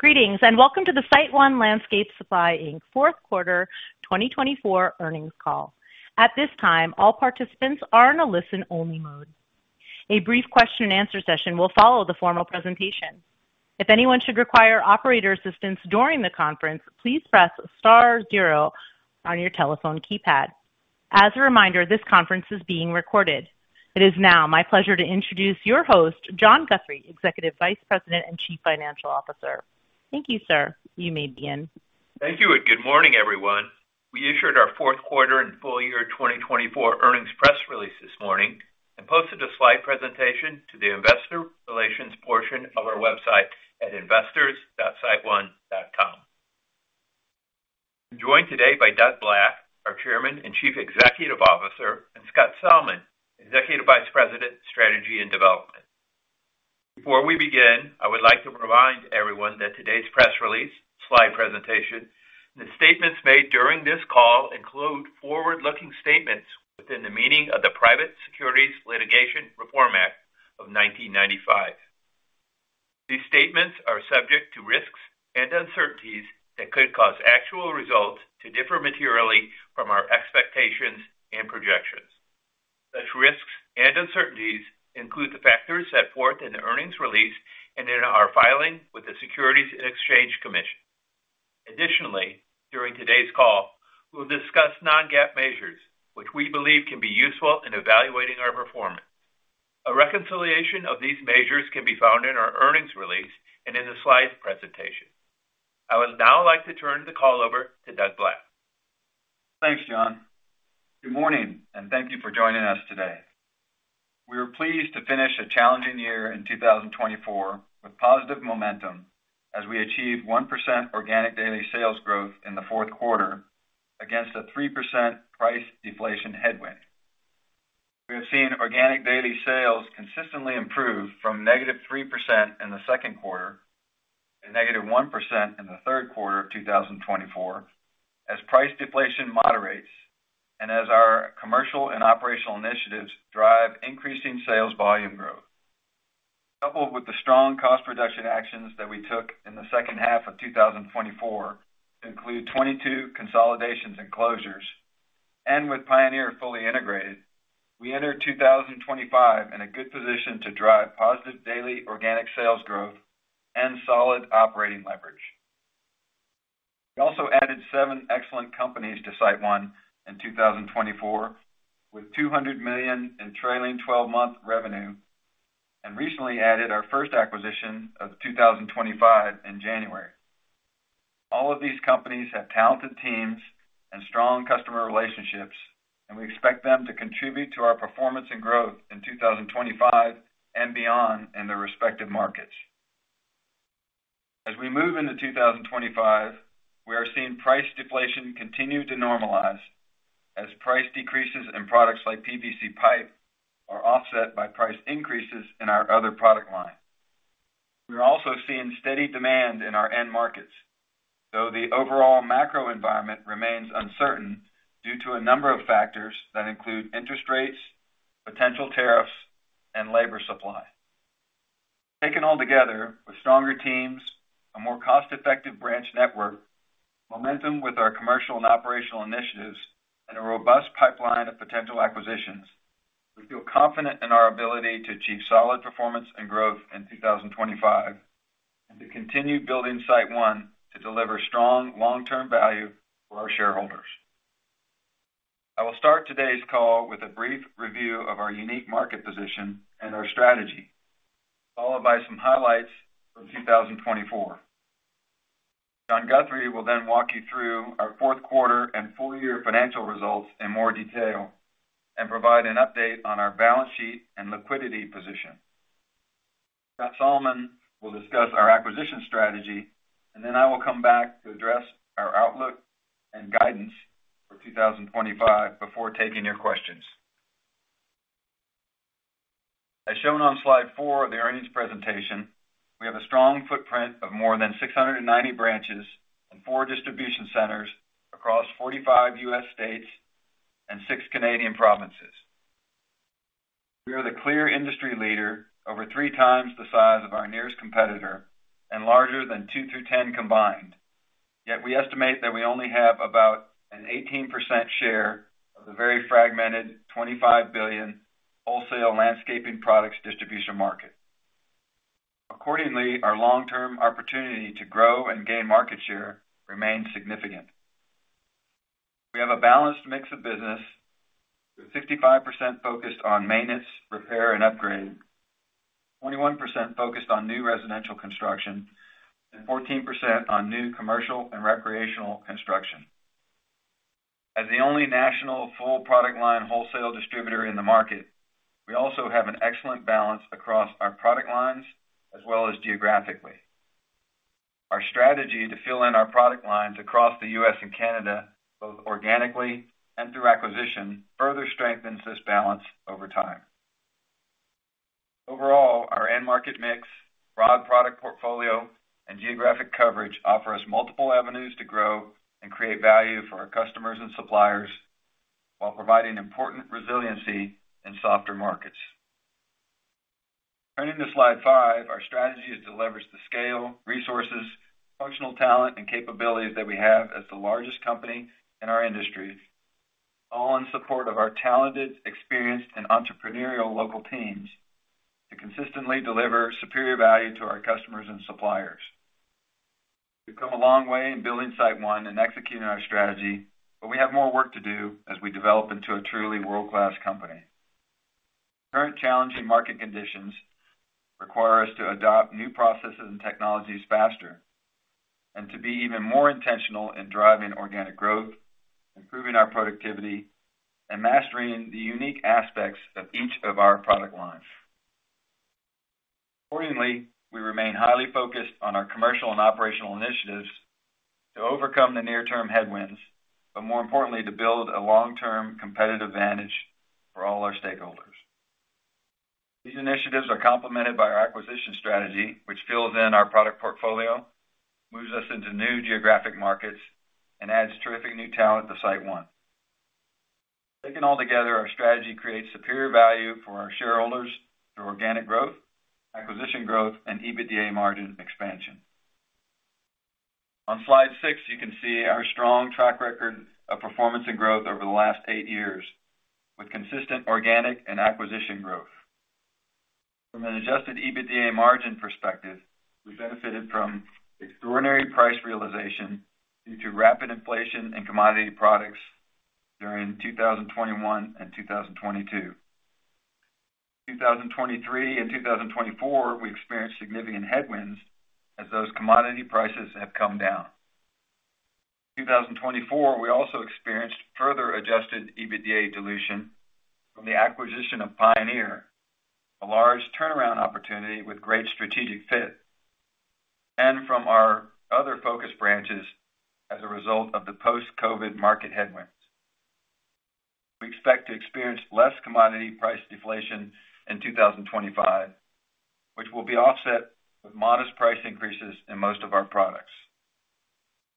Greetings, and welcome to the SiteOne Landscape Supply Inc Fourth Quarter 2024 Earnings Call. At this time, all participants are in a listen-only mode. A brief question-and-answer session will follow the formal presentation. If anyone should require operator assistance during the conference, please press star zero on your telephone keypad. As a reminder, this conference is being recorded. It is now my pleasure to introduce your host, John Guthrie, Executive Vice President and Chief Financial Officer. Thank you, sir. You may begin. Thank you, and good morning, everyone. We issued our fourth quarter and full year 2024 earnings press release this morning and posted a slide presentation to the investor relations portion of our website at investors.siteone.com. I'm joined today by Doug Black, our Chairman and Chief Executive Officer, and Scott Salmon, Executive Vice President, Strategy and Development. Before we begin, I would like to remind everyone that today's press release, slide presentation, and the statements made during this call include forward-looking statements within the meaning of the Private Securities Litigation Reform Act of 1995. These statements are subject to risks and uncertainties that could cause actual results to differ materially from our expectations and projections. Such risks and uncertainties include the factors set forth in the earnings release and in our filing with the Securities and Exchange Commission. Additionally, during today's call, we'll discuss non-GAAP measures, which we believe can be useful in evaluating our performance. A reconciliation of these measures can be found in our earnings release and in the slides presentation. I would now like to turn the call over to Doug Black. Thanks, John. Good morning, and thank you for joining us today. We are pleased to finish a challenging year in 2024 with positive momentum as we achieved 1% organic daily sales growth in the fourth quarter against a 3% price deflation headwind. We have seen organic daily sales consistently improve from negative 3% in the second quarter to negative 1% in the third quarter of 2024 as price deflation moderates and as our commercial and operational initiatives drive increasing sales volume growth. Coupled with the strong cost reduction actions that we took in the second half of 2024 to include 22 consolidations and closures, and with Pioneer fully integrated, we entered 2025 in a good position to drive positive daily organic sales growth and solid operating leverage. We also added seven excellent companies to SiteOne in 2024 with $200 million in trailing 12-month revenue and recently added our first acquisition of 2025 in January. All of these companies have talented teams and strong customer relationships, and we expect them to contribute to our performance and growth in 2025 and beyond in their respective markets. As we move into 2025, we are seeing price deflation continue to normalize as price decreases in products like PVC pipe are offset by price increases in our other product line. We are also seeing steady demand in our end markets, though the overall macro environment remains uncertain due to a number of factors that include interest rates, potential tariffs, and labor supply. Taken all together, with stronger teams, a more cost-effective branch network, momentum with our commercial and operational initiatives, and a robust pipeline of potential acquisitions, we feel confident in our ability to achieve solid performance and growth in 2025 and to continue building SiteOne to deliver strong long-term value for our shareholders. I will start today's call with a brief review of our unique market position and our strategy, followed by some highlights from 2024. John Guthrie will then walk you through our fourth quarter and full year financial results in more detail and provide an update on our balance sheet and liquidity position. Scott Salmon will discuss our acquisition strategy, and then I will come back to address our outlook and guidance for 2025 before taking your questions. As shown on slide four of the earnings presentation, we have a strong footprint of more than 690 branches and four distribution centers across 45 U.S. states and six Canadian provinces. We are the clear industry leader over three times the size of our nearest competitor and larger than two through 10 combined, yet we estimate that we only have about an 18% share of the very fragmented $25 billion wholesale landscaping products distribution market. Accordingly, our long-term opportunity to grow and gain market share remains significant. We have a balanced mix of business with 65% focused on maintenance, repair, and upgrade, 21% on new residential construction, and 14% on new commercial and recreational construction. As the only national full product line wholesale distributor in the market, we also have an excellent balance across our product lines as well as geographically. Our strategy to fill in our product lines across the U.S. and Canada, both organically and through acquisition, further strengthens this balance over time. Overall, our end market mix, broad product portfolio, and geographic coverage offer us multiple avenues to grow and create value for our customers and suppliers while providing important resiliency in softer markets. Turning to slide five, our strategy is to leverage the scale, resources, functional talent, and capabilities that we have as the largest company in our industry, all in support of our talented, experienced, and entrepreneurial local teams to consistently deliver superior value to our customers and suppliers. We've come a long way in building SiteOne and executing our strategy, but we have more work to do as we develop into a truly world-class company. Current challenging market conditions require us to adopt new processes and technologies faster and to be even more intentional in driving organic growth, improving our productivity, and mastering the unique aspects of each of our product lines. Accordingly, we remain highly focused on our commercial and operational initiatives to overcome the near-term headwinds, but more importantly, to build a long-term competitive advantage for all our stakeholders. These initiatives are complemented by our acquisition strategy, which fills in our product portfolio, moves us into new geographic markets, and adds terrific new talent to SiteOne. Taken all together, our strategy creates superior value for our shareholders through organic growth, acquisition growth, and EBITDA margin expansion. On slide six, you can see our strong track record of performance and growth over the last eight years with consistent organic and acquisition growth. From an adjusted EBITDA margin perspective, we benefited from ordinary price realization due to rapid inflation in commodity products during 2021 and 2022. In 2023 and 2024, we experienced significant headwinds as those commodity prices have come down. In 2024, we also experienced further adjusted EBITDA dilution from the acquisition of Pioneer, a large turnaround opportunity with great strategic fit, and from our other Focus Branches as a result of the post-COVID market headwinds. We expect to experience less commodity price deflation in 2025, which will be offset with modest price increases in most of our products.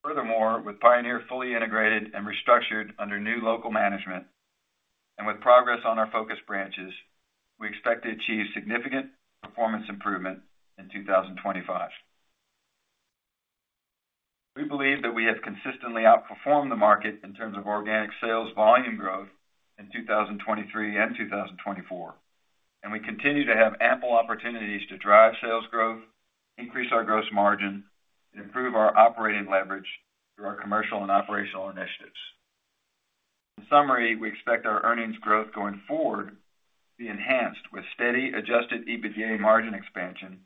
Furthermore, with Pioneer fully integrated and restructured under new local management and with progress on our Focus Branches, we expect to achieve significant performance improvement in 2025. We believe that we have consistently outperformed the market in terms of organic sales volume growth in 2023 and 2024, and we continue to have ample opportunities to drive sales growth, increase our gross margin, and improve our operating leverage through our commercial and operational initiatives. In summary, we expect our earnings growth going forward to be enhanced with steady adjusted EBITDA margin expansion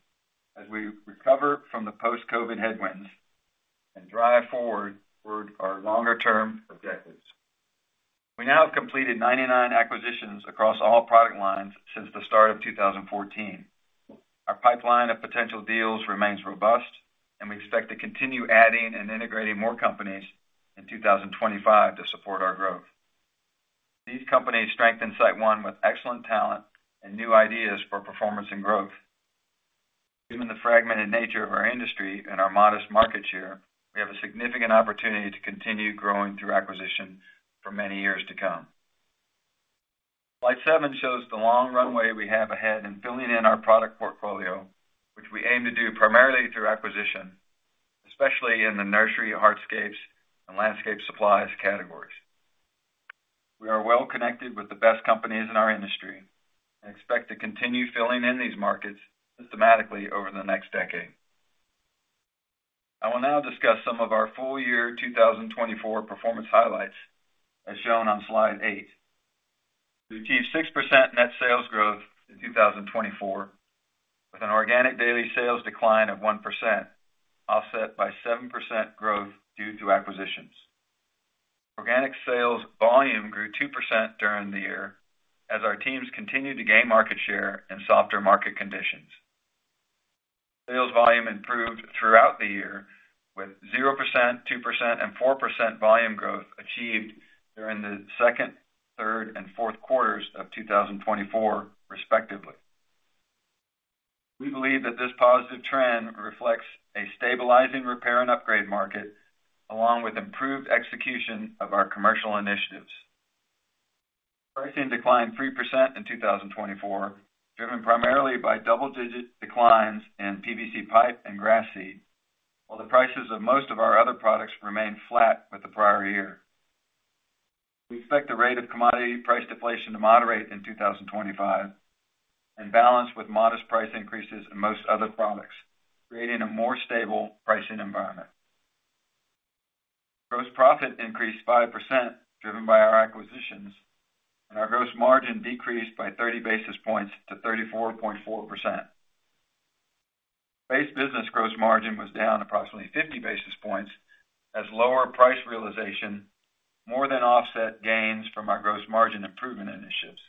as we recover from the post-COVID headwinds and drive forward toward our longer-term objectives. We now have completed 99 acquisitions across all product lines since the start of 2014. Our pipeline of potential deals remains robust, and we expect to continue adding and integrating more companies in 2025 to support our growth. These companies strengthen SiteOne with excellent talent and new ideas for performance and growth. Given the fragmented nature of our industry and our modest market share, we have a significant opportunity to continue growing through acquisition for many years to come. Slide seven shows the long runway we have ahead in filling in our product portfolio, which we aim to do primarily through acquisition, especially in the nursery hardscapes and landscape supplies categories. We are well connected with the best companies in our industry and expect to continue filling in these markets systematically over the next decade. I will now discuss some of our full year 2024 performance highlights as shown on slide eight. We achieved 6% net sales growth in 2024 with an organic daily sales decline of 1%, offset by 7% growth due to acquisitions. Organic sales volume grew 2% during the year as our teams continued to gain market share in softer market conditions. Sales volume improved throughout the year with 0%, 2%, and 4% volume growth achieved during the second, third, and fourth quarters of 2024, respectively. We believe that this positive trend reflects a stabilizing repair and upgrade market along with improved execution of our commercial initiatives. Pricing declined 3% in 2024, driven primarily by double-digit declines in PVC pipe and grass seed, while the prices of most of our other products remained flat with the prior year. We expect the rate of commodity price deflation to moderate in 2025 and balance with modest price increases in most other products, creating a more stable pricing environment. Gross profit increased 5%, driven by our acquisitions, and our gross margin decreased by 30 basis points to 34.4%. Base business gross margin was down approximately 50 basis points as lower price realization more than offset gains from our gross margin improvement initiatives.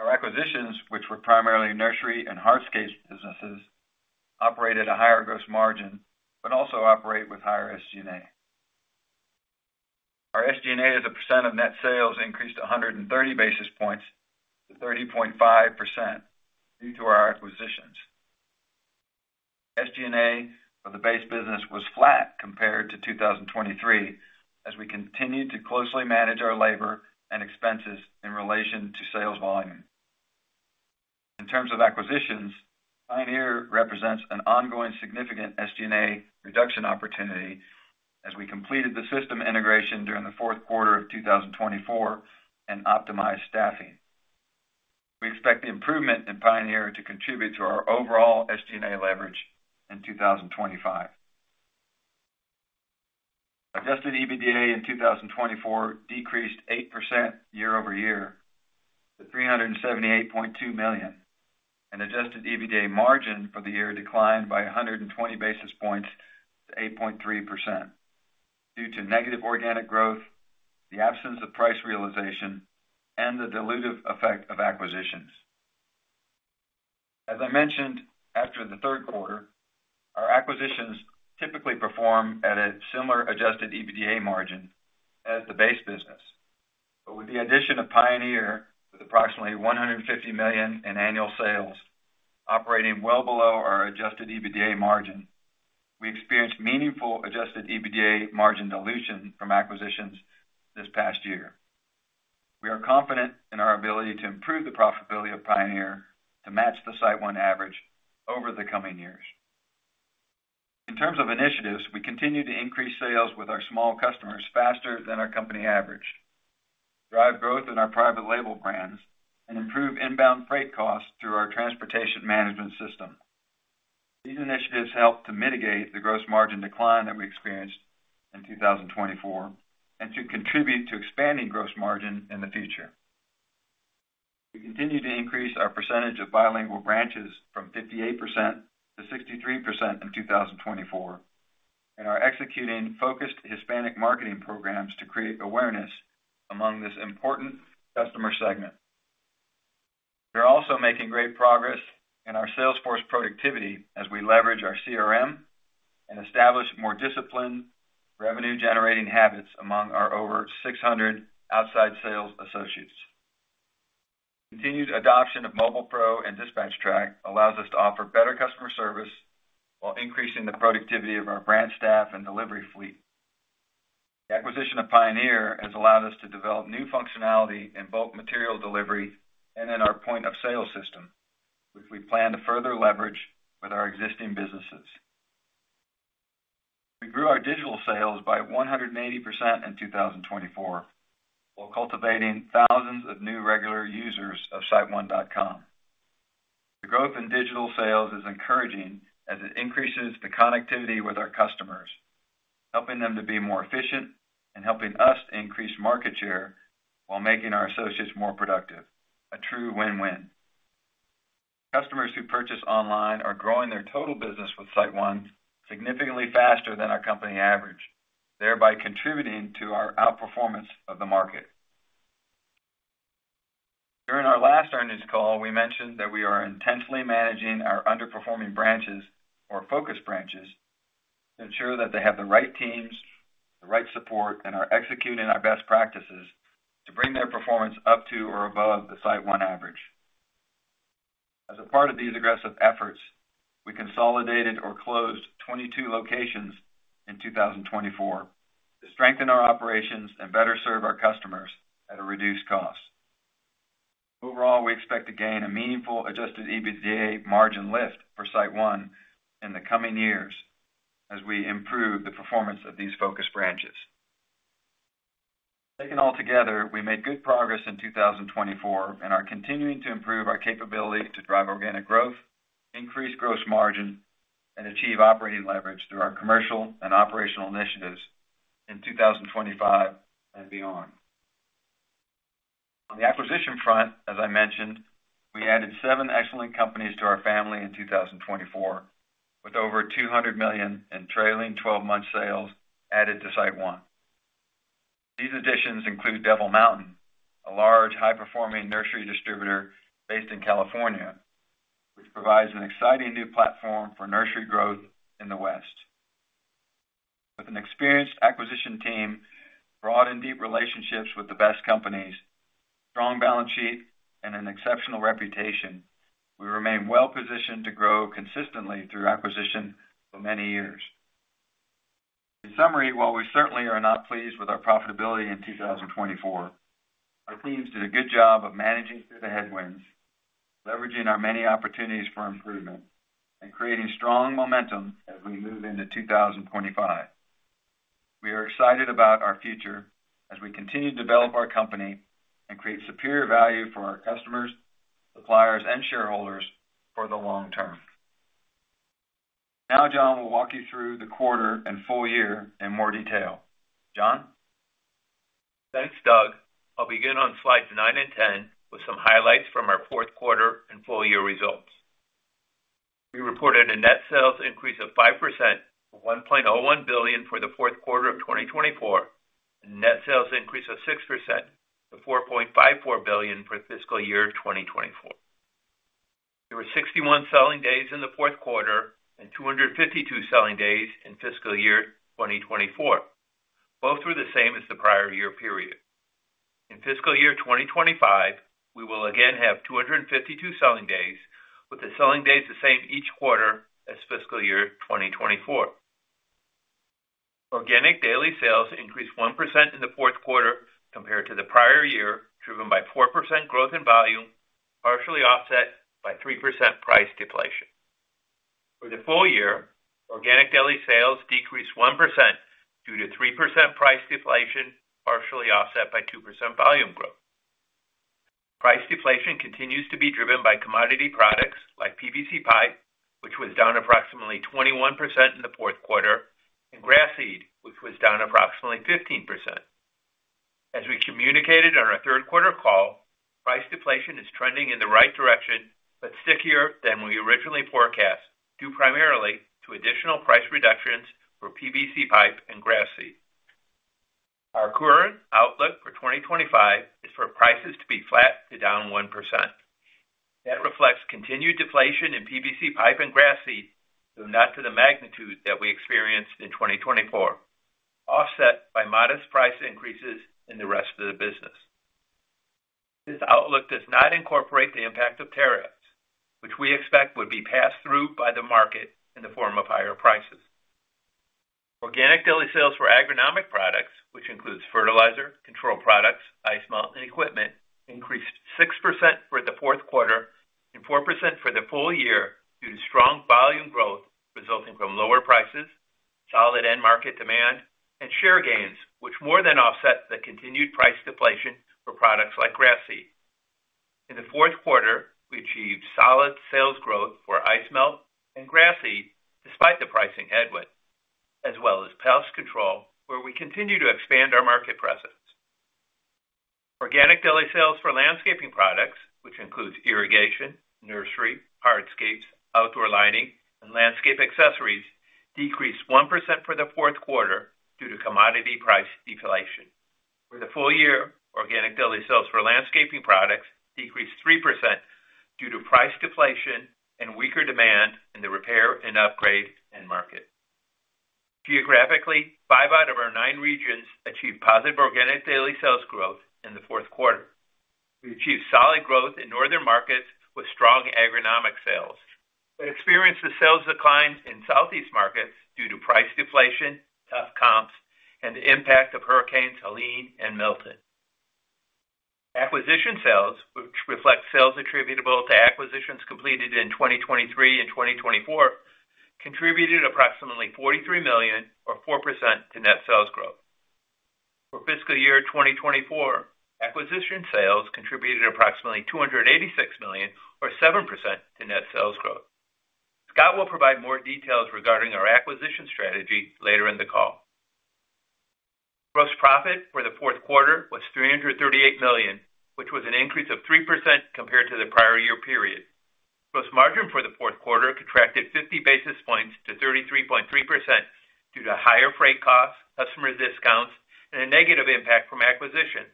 Our acquisitions, which were primarily nursery and hardscape businesses, operated at a higher gross margin but also operate with higher SG&A. Our SG&A as a percent of net sales increased 130 basis points to 30.5% due to our acquisitions. SG&A for the base business was flat compared to 2023 as we continued to closely manage our labor and expenses in relation to sales volume. In terms of acquisitions, Pioneer represents an ongoing significant SG&A reduction opportunity as we completed the system integration during the fourth quarter of 2024 and optimized staffing. We expect the improvement in Pioneer to contribute to our overall SG&A leverage in 2025. Adjusted EBITDA in 2024 decreased 8% year over year to $378.2 million, and adjusted EBITDA margin for the year declined by 120 basis points to 8.3% due to negative organic growth, the absence of price realization, and the dilutive effect of acquisitions. As I mentioned, after the third quarter, our acquisitions typically perform at a similar adjusted EBITDA margin as the base business, but with the addition of Pioneer with approximately $150 million in annual sales operating well below our adjusted EBITDA margin, we experienced meaningful adjusted EBITDA margin dilution from acquisitions this past year. We are confident in our ability to improve the profitability of Pioneer to match the SiteOne average over the coming years. In terms of initiatives, we continue to increase sales with our small customers faster than our company average, drive growth in our private label brands, and improve inbound freight costs through our transportation management system. These initiatives help to mitigate the gross margin decline that we experienced in 2024 and should contribute to expanding gross margin in the future. We continue to increase our percentage of bilingual branches from 58% to 63% in 2024, and are executing focused Hispanic marketing programs to create awareness among this important customer segment. We are also making great progress in our Salesforce productivity as we leverage our CRM and establish more disciplined revenue-generating habits among our over 600 outside sales associates. Continued adoption of Mobile PRO and DispatchTrack allows us to offer better customer service while increasing the productivity of our branch staff and delivery fleet. The acquisition of Pioneer has allowed us to develop new functionality in both material deliveries and in our point-of-sale system, which we plan to further leverage with our existing businesses. We grew our digital sales by 180% in 2024 while cultivating thousands of new regular users of siteone.com. The growth in digital sales is encouraging as it increases the connectivity with our customers, helping them to be more efficient and helping us increase market share while making our associates more productive, a true win-win. Customers who purchase online are growing their total business with SiteOne significantly faster than our company average, thereby contributing to our outperformance of the market. During our last earnings call, we mentioned that we are intensely managing our underperforming branches, or focus branches, to ensure that they have the right teams, the right support, and are executing our best practices to bring their performance up to or above the SiteOne average. As a part of these aggressive efforts, we consolidated or closed 22 locations in 2024 to strengthen our operations and better serve our customers at a reduced cost. Overall, we expect to gain a meaningful adjusted EBITDA margin lift for SiteOne in the coming years as we improve the performance of these focus branches. Taken all together, we made good progress in 2024 and are continuing to improve our capability to drive organic growth, increase gross margin, and achieve operating leverage through our commercial and operational initiatives in 2025 and beyond. On the acquisition front, as I mentioned, we added seven excellent companies to our family in 2024 with over $200 million in trailing 12-month sales added to SiteOne. These additions include Devil Mountain, a large, high-performing nursery distributor based in California, which provides an exciting new platform for nursery growth in the West. With an experienced acquisition team, broad and deep relationships with the best companies, strong balance sheet, and an exceptional reputation, we remain well-positioned to grow consistently through acquisition for many years. In summary, while we certainly are not pleased with our profitability in 2024, our teams did a good job of managing through the headwinds, leveraging our many opportunities for improvement, and creating strong momentum as we move into 2025. We are excited about our future as we continue to develop our company and create superior value for our customers, suppliers, and shareholders for the long term. Now, John will walk you through the quarter and full year in more detail. John? Thanks, Doug. I'll begin on slides nine and 10 with some highlights from our fourth quarter and full year results. We reported a net sales increase of 5% to $1.01 billion for the fourth quarter of 2024 and a net sales increase of 6% to $4.54 billion for fiscal year 2024. There were 61 selling days in the fourth quarter and 252 selling days in fiscal year 2024. Both were the same as the prior year period. In fiscal year 2025, we will again have 252 selling days, with the selling days the same each quarter as fiscal year 2024. Organic daily sales increased 1% in the fourth quarter compared to the prior year, driven by 4% growth in volume, partially offset by 3% price deflation. For the full year, organic daily sales decreased 1% due to 3% price deflation, partially offset by 2% volume growth. Price deflation continues to be driven by commodity products like PVC pipe, which was down approximately 21% in the fourth quarter, and grass seed, which was down approximately 15%. As we communicated on our third quarter call, price deflation is trending in the right direction, but stickier than we originally forecast due primarily to additional price reductions for PVC pipe and grass seed. Our current outlook for 2025 is for prices to be flat to down 1%. That reflects continued deflation in PVC pipe and grass seed, though not to the magnitude that we experienced in 2024, offset by modest price increases in the rest of the business. This outlook does not incorporate the impact of tariffs, which we expect would be passed through by the market in the form of higher prices. Organic daily sales for agronomic products, which includes fertilizer, control products, ice melt, and equipment, increased 6% for the fourth quarter and 4% for the full year due to strong volume growth resulting from lower prices, solid end market demand, and share gains, which more than offset the continued price deflation for products like grass seed. In the fourth quarter, we achieved solid sales growth for ice melt and grass seed despite the pricing headwind, as well as pest control, where we continue to expand our market presence. Organic daily sales for landscaping products, which includes irrigation, nursery, hardscapes, outdoor lighting, and landscape accessories, decreased 1% for the fourth quarter due to commodity price deflation. For the full year, organic daily sales for landscaping products decreased 3% due to price deflation and weaker demand in the repair and upgrade end market. Geographically, five out of our nine regions achieved positive organic daily sales growth in the fourth quarter. We achieved solid growth in northern markets with strong agronomic sales, but experienced a sales decline in southeast markets due to price deflation, tough comps, and the impact of hurricanes Helene and Milton. Acquisition sales, which reflect sales attributable to acquisitions completed in 2023 and 2024, contributed approximately $43 million, or 4% to net sales growth. For fiscal year 2024, acquisition sales contributed approximately $286 million, or 7% to net sales growth. Scott will provide more details regarding our acquisition strategy later in the call. Gross profit for the fourth quarter was $338 million, which was an increase of 3% compared to the prior year period. Gross margin for the fourth quarter contracted 50 basis points to 33.3% due to higher freight costs, customer discounts, and a negative impact from acquisition.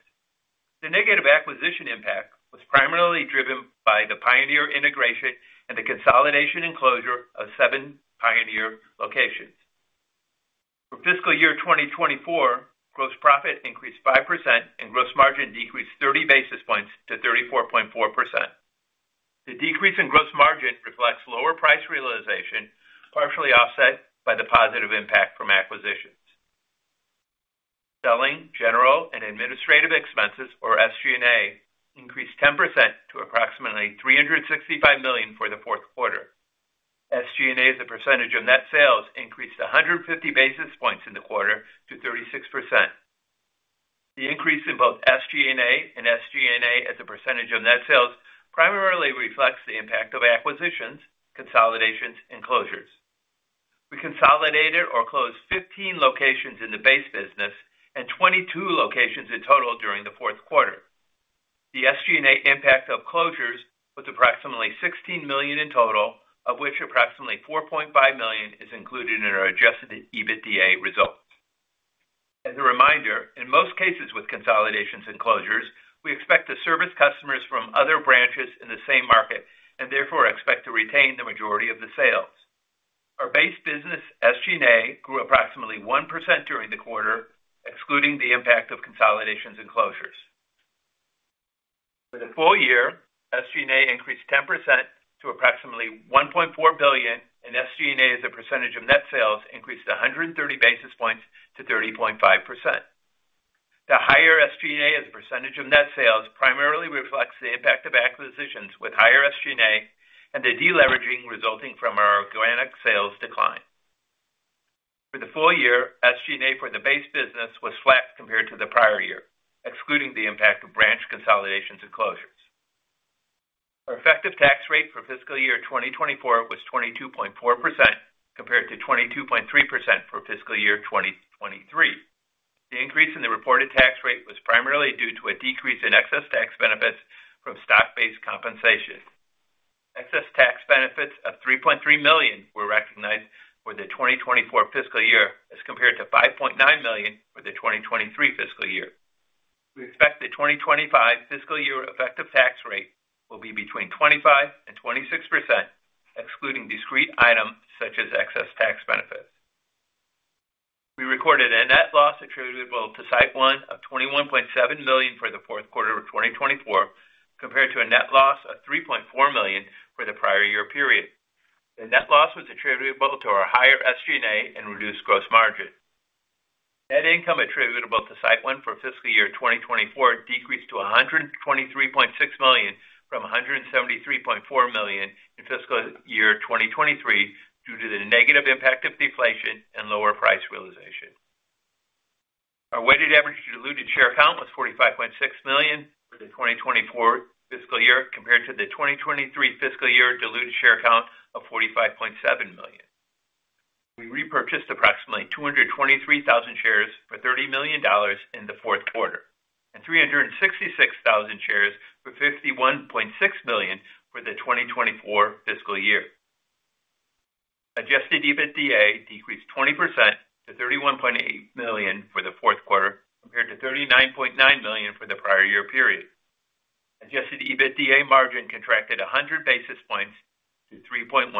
The negative acquisition impact was primarily driven by the Pioneer integration and the consolidation and closure of seven Pioneer locations. For fiscal year 2024, gross profit increased 5% and gross margin decreased 30 basis points to 34.4%. The decrease in gross margin reflects lower price realization, partially offset by the positive impact from acquisitions. Selling, general, and administrative expenses, or SG&A, increased 10% to approximately $365 million for the fourth quarter. SG&A as a percentage of net sales increased 150 basis points in the quarter to 36%. The increase in both SG&A and SG&A as a percentage of net sales primarily reflects the impact of acquisitions, consolidations, and closures. We consolidated or closed 15 locations in the base business and 22 locations in total during the fourth quarter. The SG&A impact of closures was approximately $16 million in total, of which approximately $4.5 million is included in our adjusted EBITDA results. As a reminder, in most cases with consolidations and closures, we expect to service customers from other branches in the same market and therefore expect to retain the majority of the sales. Our base business SG&A grew approximately 1% during the quarter, excluding the impact of consolidations and closures. For the full year, SG&A increased 10% to approximately $1.4 billion, and SG&A as a percentage of net sales increased 130 basis points to 30.5%. The higher SG&A as a percentage of net sales primarily reflects the impact of acquisitions with higher SG&A and the deleveraging resulting from our organic sales decline. For the full year, SG&A for the base business was flat compared to the prior year, excluding the impact of branch consolidations and closures. Our effective tax rate for fiscal year 2024 was 22.4% compared to 22.3% for fiscal year 2023. The increase in the reported tax rate was primarily due to a decrease in excess tax benefits from stock-based compensation. Excess tax benefits of $3.3 million were recognized for the 2024 fiscal year as compared to $5.9 million for the 2023 fiscal year. We expect the 2025 fiscal year effective tax rate will be between 25% and 26%, excluding discrete items such as excess tax benefits. We recorded a net loss attributable to SiteOne of $21.7 million for the fourth quarter of 2024 compared to a net loss of $3.4 million for the prior year period. The net loss was attributable to our higher SG&A and reduced gross margin. Net income attributable to SiteOne for fiscal year 2024 decreased to $123.6 million from $173.4 million in fiscal year 2023 due to the negative impact of deflation and lower price realization. Our weighted average diluted share count was 45.6 million for the 2024 fiscal year compared to the 2023 fiscal year diluted share count of 45.7 million. We repurchased approximately 223,000 shares for $30 million in the fourth quarter and 366,000 shares for $51.6 million for the 2024 fiscal year. Adjusted EBITDA decreased 20% to $31.8 million for the fourth quarter compared to $39.9 million for the prior year period. Adjusted EBITDA margin contracted 100 basis points to 3.1%.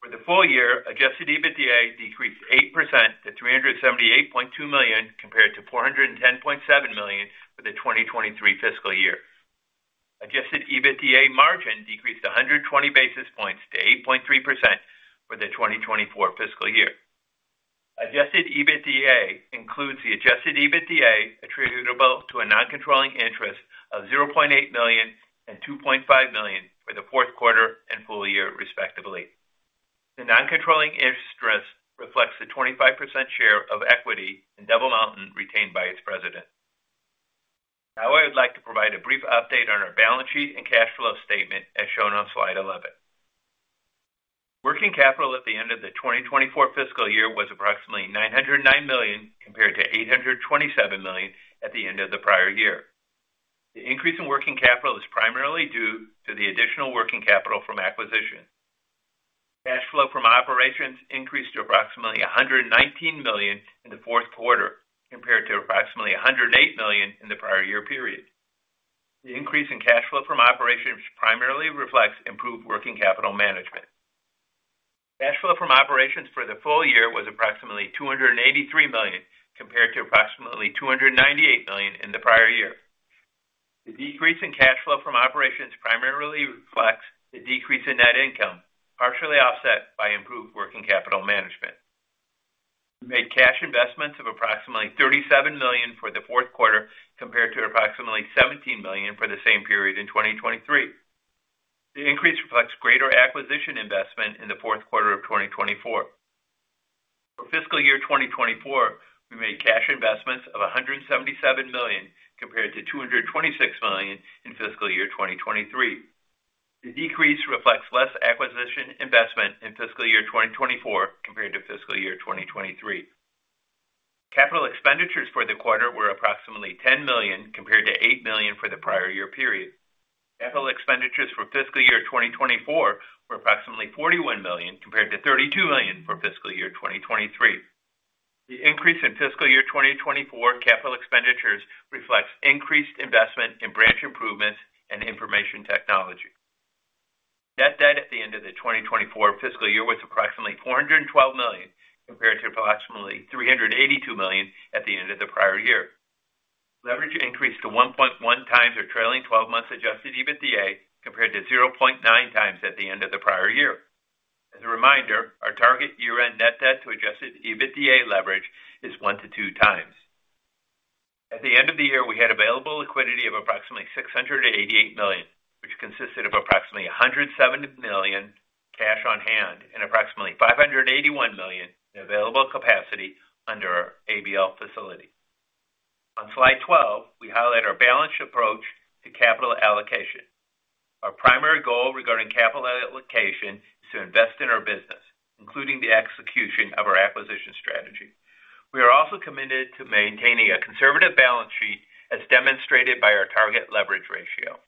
For the full year, adjusted EBITDA decreased 8% to $378.2 million compared to $410.7 million for the 2023 fiscal year. Adjusted EBITDA margin decreased 120 basis points to 8.3% for the 2024 fiscal year. Adjusted EBITDA includes the adjusted EBITDA attributable to a non-controlling interest of $0.8 million and $2.5 million for the fourth quarter and full year, respectively. The non-controlling interest reflects the 25% share of equity in Devil Mountain retained by its President. Now I would like to provide a brief update on our balance sheet and cash flow statement as shown on slide 11. Working capital at the end of the 2024 fiscal year was approximately $909 million compared to $827 million at the end of the prior year. The increase in working capital is primarily due to the additional working capital from acquisition. Cash flow from operations increased to approximately $119 million in the fourth quarter compared to approximately $108 million in the prior year period. The increase in cash flow from operations primarily reflects improved working capital management. Cash flow from operations for the full year was approximately $283 million compared to approximately $298 million in the prior year. Decrease in cash flow from operations primarily reflects the decrease in net income, partially offset by improved working capital management. We made cash investments of approximately $37 million for the fourth quarter compared to approximately $17 million for the same period in 2023. The increase reflects greater acquisition investment in the fourth quarter of 2024. For fiscal year 2024, we made cash investments of $177 million compared to $226 million in fiscal year 2023. The decrease reflects less acquisition investment in fiscal year 2024 compared to fiscal year 2023. Capital expenditures for the quarter were approximately $10 million compared to $8 million for the prior year period. Capital expenditures for fiscal year 2024 were approximately $41 million compared to $32 million for fiscal year 2023. The increase in fiscal year 2024 capital expenditures reflects increased investment in branch improvements and information technology. Net debt at the end of the 2024 fiscal year was approximately $412 million compared to approximately $382 million at the end of the prior year. Leverage increased to 1.1 times our trailing 12-month adjusted EBITDA compared to 0.9 times at the end of the prior year. As a reminder, our target year-end net debt to adjusted EBITDA leverage is 1-2 times. At the end of the year, we had available liquidity of approximately $688 million, which consisted of approximately $107 million cash on hand and approximately $581 million in available capacity under our ABL facility. On slide 12, we highlight our balance sheet approach to capital allocation. Our primary goal regarding capital allocation is to invest in our business, including the execution of our acquisition strategy. We are also committed to maintaining a conservative balance sheet, as demonstrated by our target leverage ratio.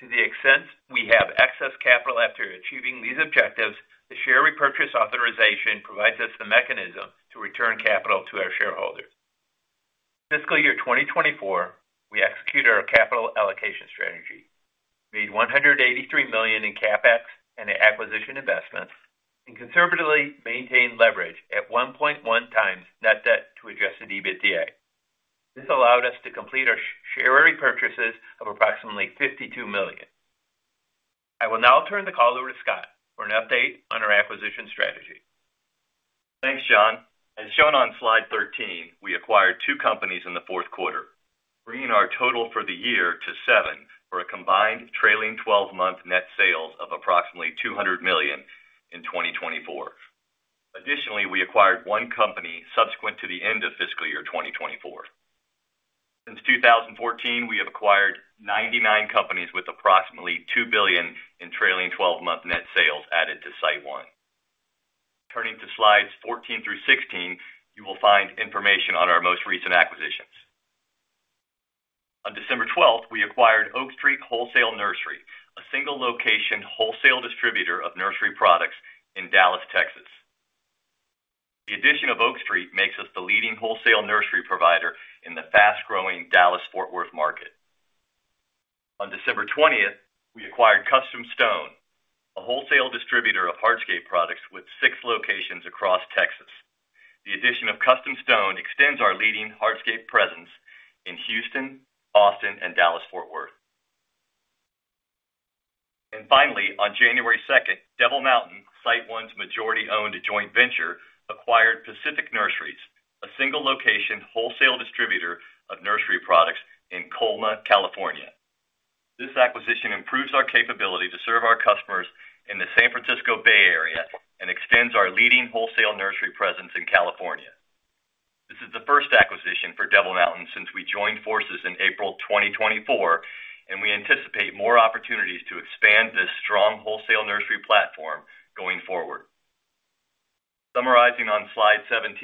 To the extent we have excess capital after achieving these objectives, the share repurchase authorization provides us the mechanism to return capital to our shareholders. Fiscal year 2024, we executed our capital allocation strategy, made $183 million in CapEx and acquisition investments, and conservatively maintained leverage at 1.1 times net debt to adjusted EBITDA. This allowed us to complete our share repurchases of approximately $52 million. I will now turn the call over to Scott for an update on our acquisition strategy. Thanks, John. As shown on slide 13, we acquired two companies in the fourth quarter, bringing our total for the year to 7 for a combined trailing 12-month net sales of approximately $200 million in 2024. Additionally, we acquired one company subsequent to the end of fiscal year 2024. Since 2014, we have acquired 99 companies with approximately $2 billion in trailing 12-month net sales added to SiteOne. Turning to slides 14 through 16, you will find information on our most recent acquisitions. On December 12th, we acquired Oak Street Wholesale Nursery, a single-location wholesale distributor of nursery products in Dallas, Texas. The addition of Oak Street makes us the leading wholesale nursery provider in the fast-growing Dallas-Fort Worth market. On December 20th, we acquired Custom Stone, a wholesale distributor of hardscape products with six locations across Texas. The addition of Custom Stone extends our leading hardscape presence in Houston, Austin, and Dallas-Fort Worth. And finally, on January 2nd, Devil Mountain, SiteOne's majority-owned joint venture, acquired Pacific Nurseries, a single-location wholesale distributor of nursery products in Colma, California. This acquisition improves our capability to serve our customers in the San Francisco Bay Area and extends our leading wholesale nursery presence in California. This is the first acquisition for Devil Mountain since we joined forces in April 2024, and we anticipate more opportunities to expand this strong wholesale nursery platform going forward. Summarizing on slide 17,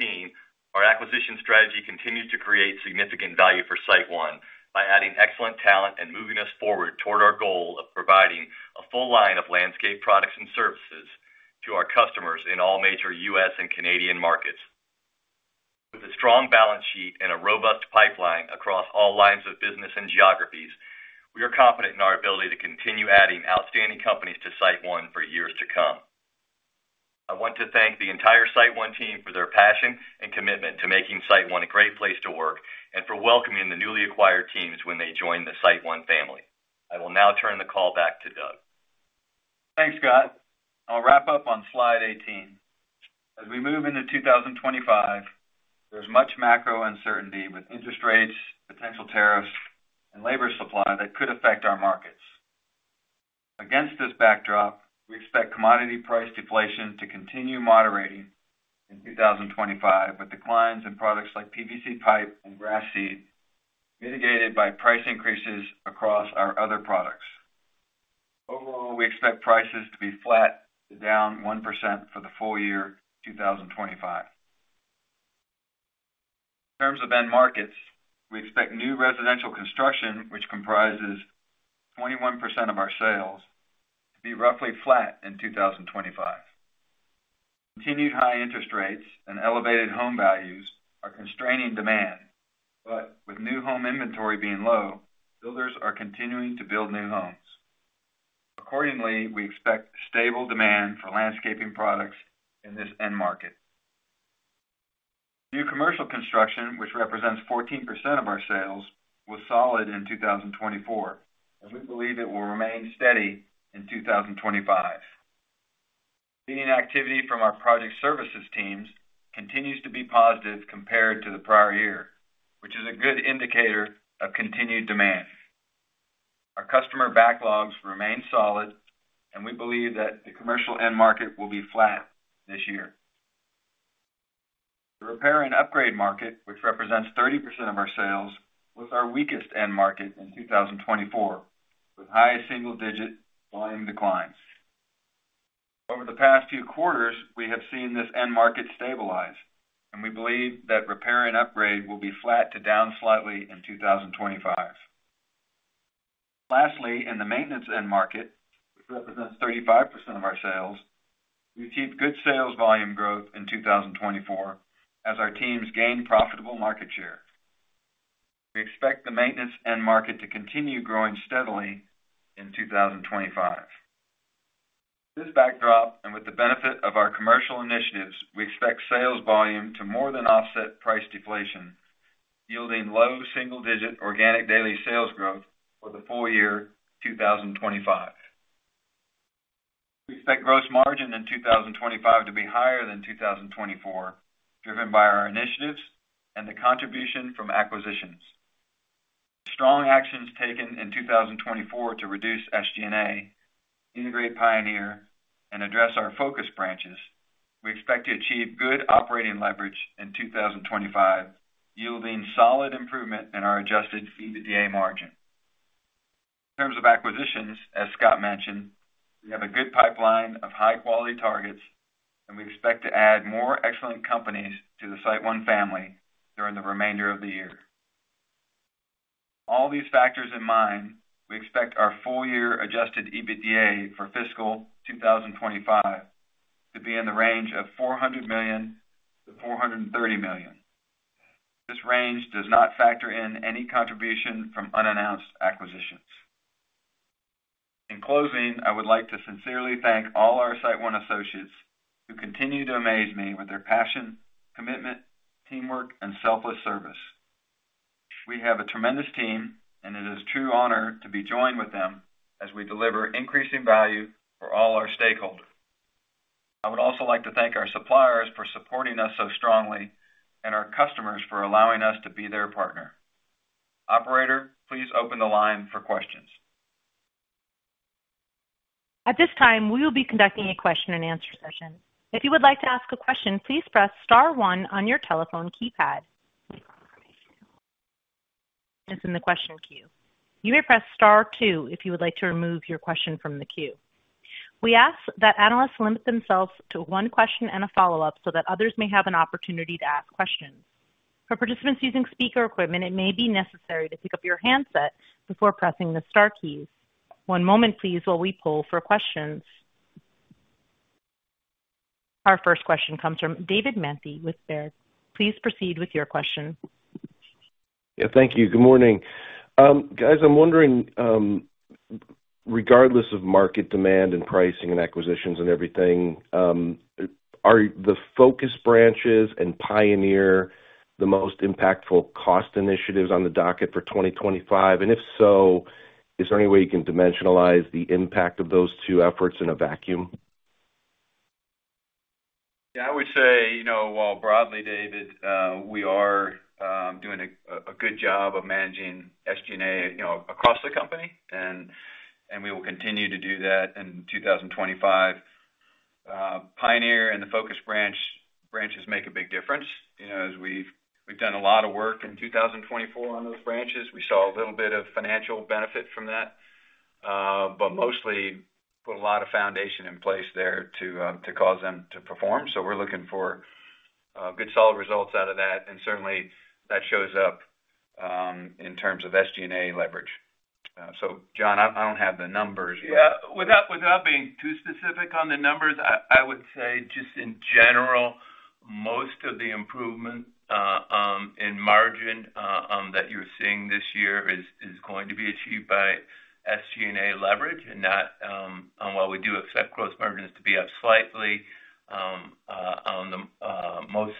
our acquisition strategy continues to create significant value for SiteOne by adding excellent talent and moving us forward toward our goal of providing a full line of landscape products and services to our customers in all major U.S. and Canadian markets. With a strong balance sheet and a robust pipeline across all lines of business and geographies, we are confident in our ability to continue adding outstanding companies to SiteOne for years to come. I want to thank the entire SiteOne team for their passion and commitment to making SiteOne a great place to work and for welcoming the newly acquired teams when they join the SiteOne family. I will now turn the call back to Doug. Thanks, Scott. I'll wrap up on slide 18. As we move into 2025, there is much macro uncertainty with interest rates, potential tariffs, and labor supply that could affect our markets. Against this backdrop, we expect commodity price deflation to continue moderating in 2025 with declines in products like PVC pipe and grass seed mitigated by price increases across our other products. Overall, we expect prices to be flat to down 1% for the full year 2025. In terms of end markets, we expect new residential construction, which comprises 21% of our sales, to be roughly flat in 2025. Continued high interest rates and elevated home values are constraining demand, but with new home inventory being low, builders are continuing to build new homes. Accordingly, we expect stable demand for landscaping products in this end market. New commercial construction, which represents 14% of our sales, was solid in 2024, and we believe it will remain steady in 2025. Continuing activity from our project services teams continues to be positive compared to the prior year, which is a good indicator of continued demand. Our customer backlogs remain solid, and we believe that the commercial end market will be flat this year. The repair and upgrade market, which represents 30% of our sales, was our weakest end market in 2024, with high single-digit volume declines. Over the past few quarters, we have seen this end market stabilize, and we believe that repair and upgrade will be flat to down slightly in 2025. Lastly, in the maintenance end market, which represents 35% of our sales, we've seen good sales volume growth in 2024 as our teams gained profitable market share. We expect the maintenance end market to continue growing steadily in 2025. This backdrop, and with the benefit of our commercial initiatives, we expect sales volume to more than offset price deflation, yielding low single-digit organic daily sales growth for the full year 2025. We expect gross margin in 2025 to be higher than 2024, driven by our initiatives and the contribution from acquisitions. With strong actions taken in 2024 to reduce SG&A, integrate Pioneer, and address our focus branches, we expect to achieve good operating leverage in 2025, yielding solid improvement in our adjusted EBITDA margin. In terms of acquisitions, as Scott mentioned, we have a good pipeline of high-quality targets, and we expect to add more excellent companies to the SiteOne family during the remainder of the year. With all these factors in mind, we expect our full-year adjusted EBITDA for fiscal 2025 to be in the range of $400 million-$430 million. This range does not factor in any contribution from unannounced acquisitions. In closing, I would like to sincerely thank all our SiteOne associates who continue to amaze me with their passion, commitment, teamwork, and selfless service. We have a tremendous team, and it is a true honor to be joined with them as we deliver increasing value for all our stakeholders. I would also like to thank our suppliers for supporting us so strongly and our customers for allowing us to be their partner. Operator, please open the line for questions. At this time, we will be conducting a question-and-answer session. If you would like to ask a question, please press star one on your telephone keypad. This is the question queue. You may press star two if you would like to remove your question from the queue. We ask that analysts limit themselves to one question and a follow-up so that others may have an opportunity to ask questions. For participants using speaker equipment, it may be necessary to pick up your handset before pressing the star key. One moment, please, while we pull for questions. Our first question comes from David Manthey with Baird. Please proceed with your question. Yeah, thank you. Good morning, guys. I'm wondering, regardless of market demand and pricing and acquisitions and everything, are the focus branches and Pioneer the most impactful cost initiatives on the docket for 2025? And if so, is there any way you can dimensionalize the impact of those two efforts in a vacuum? Yeah, I would say, you know, while broadly, David, we are doing a good job of managing SG&A, you know, across the company, and we will continue to do that in 2025. Pioneer and the focus branches make a big difference. You know, as we've done a lot of work in 2024 on those branches, we saw a little bit of financial benefit from that, but mostly put a lot of foundation in place there to cause them to perform. So we're looking for good, solid results out of that, and certainly that shows up in terms of SG&A leverage, so John, I don't have the numbers. Yeah, without being too specific on the numbers, I would say just in general, most of the improvement in margin that you're seeing this year is going to be achieved by SG&A leverage and not, while we do expect gross margins to be up slightly. On the most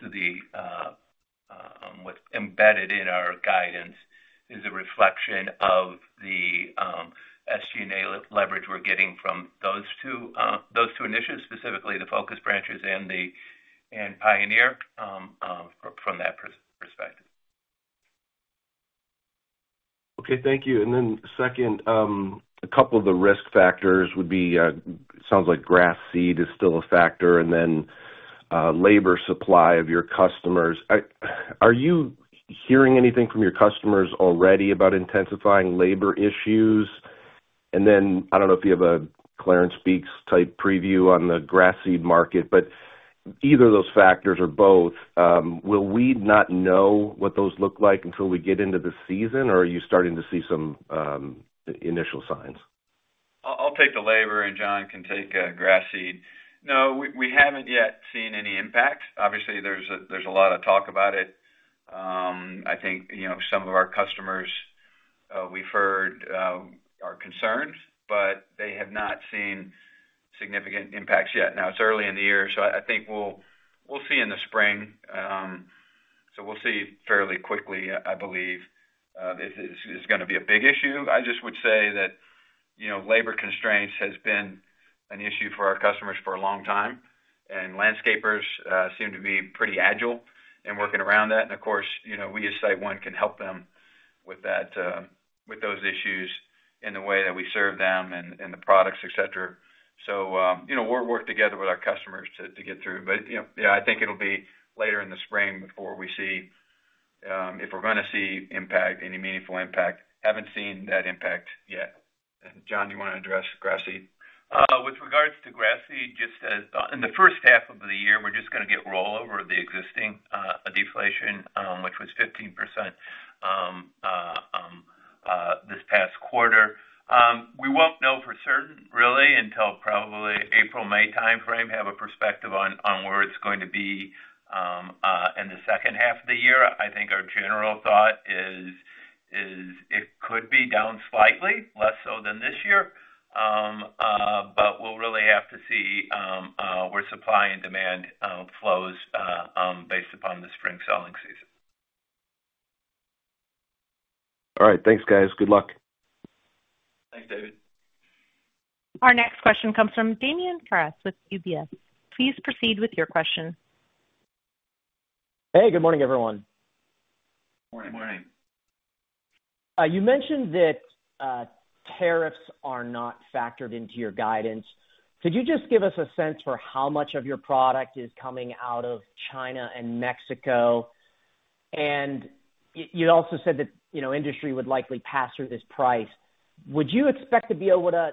of what's embedded in our guidance is a reflection of the SG&A leverage we're getting from those two initiatives, specifically the focus branches and the Pioneer from that perspective. Okay, thank you. And then second, a couple of the risk factors would be. It sounds like grass seed is still a factor, and then labor supply of your customers. Are you hearing anything from your customers already about intensifying labor issues? Then I don't know if you have a Clarence Beeks-type preview on the grass seed market, but either of those factors or both, will we not know what those look like until we get into the season, or are you starting to see some initial signs? I'll take the labor, and John can take grass seed. No, we haven't yet seen any impact. Obviously, there's a lot of talk about it. I think, you know, some of our customers, we've heard our concerns, but they have not seen significant impacts yet. Now, it's early in the year, so I think we'll see in the spring. We'll see fairly quickly, I believe, if it's going to be a big issue. I just would say that, you know, labor constraints has been an issue for our customers for a long time, and landscapers seem to be pretty agile in working around that. And of course, you know, we as SiteOne can help them with that, with those issues in the way that we serve them and the products, et cetera. So, you know, we'll work together with our customers to get through. But, you know, yeah, I think it'll be later in the spring before we see, if we're going to see impact, any meaningful impact. Haven't seen that impact yet. And John, you want to address grass seed? With regards to grass seed, just that in the first half of the year, we're just going to get roll over the existing deflation, which was 15% this past quarter. We won't know for certain, really, until probably April, May timeframe, have a perspective on where it's going to be in the second half of the year. I think our general thought is it could be down slightly, less so than this year, but we'll really have to see where supply and demand flows based upon the spring selling season. All right, thanks, guys. Good luck. Thanks, David. Our next question comes from Damian Karas with UBS. Please proceed with your question. Hey, good morning, everyone. Good morning. You mentioned that tariffs are not factored into your guidance. Could you just give us a sense for how much of your product is coming out of China and Mexico? And you also said that, you know, industry would likely pass through this price. Would you expect to be able to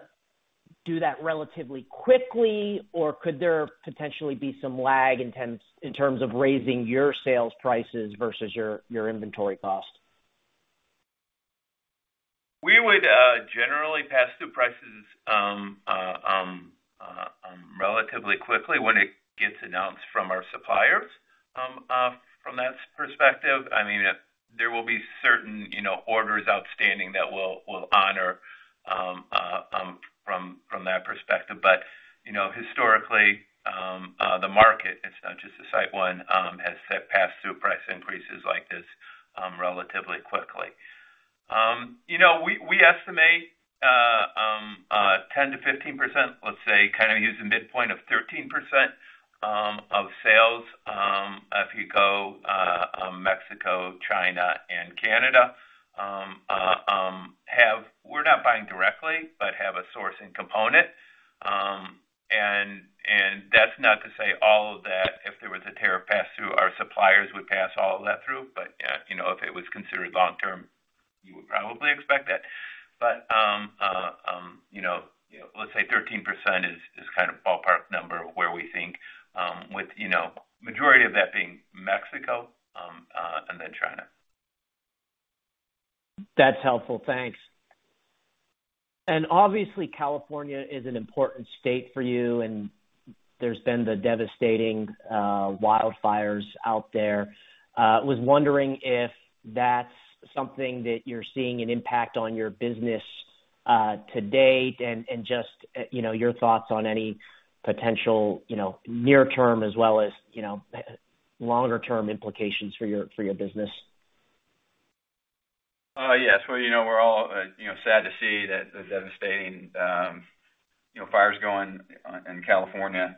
do that relatively quickly, or could there potentially be some lag in terms of raising your sales prices versus your inventory cost? We would generally pass through prices relatively quickly when it gets announced from our suppliers from that perspective. I mean, there will be certain, you know, orders outstanding that we'll honor from that perspective. But, you know, historically, the market, it's not just the SiteOne, has set pass-through price increases like this relatively quickly. You know, we estimate 10%-15%, let's say, kind of using midpoint of 13% of sales. If you go Mexico, China, and Canada, have we're not buying directly, but have a sourcing component. And that's not to say all of that, if there was a tariff pass-through, our suppliers would pass all of that through. But, you know, if it was considered long-term, you would probably expect that. But, you know, let's say 13% is kind of a ballpark number of where we think, with, you know, majority of that being Mexico, and then China. That's helpful. Thanks. And obviously, California is an important state for you, and there's been the devastating wildfires out there. I was wondering if that's something that you're seeing an impact on your business to date and just, you know, your thoughts on any potential, you know, near-term as well as, you know, longer-term implications for your business. Yes. Well, you know, we're all, you know, sad to see that the devastating, you know, fires going in California,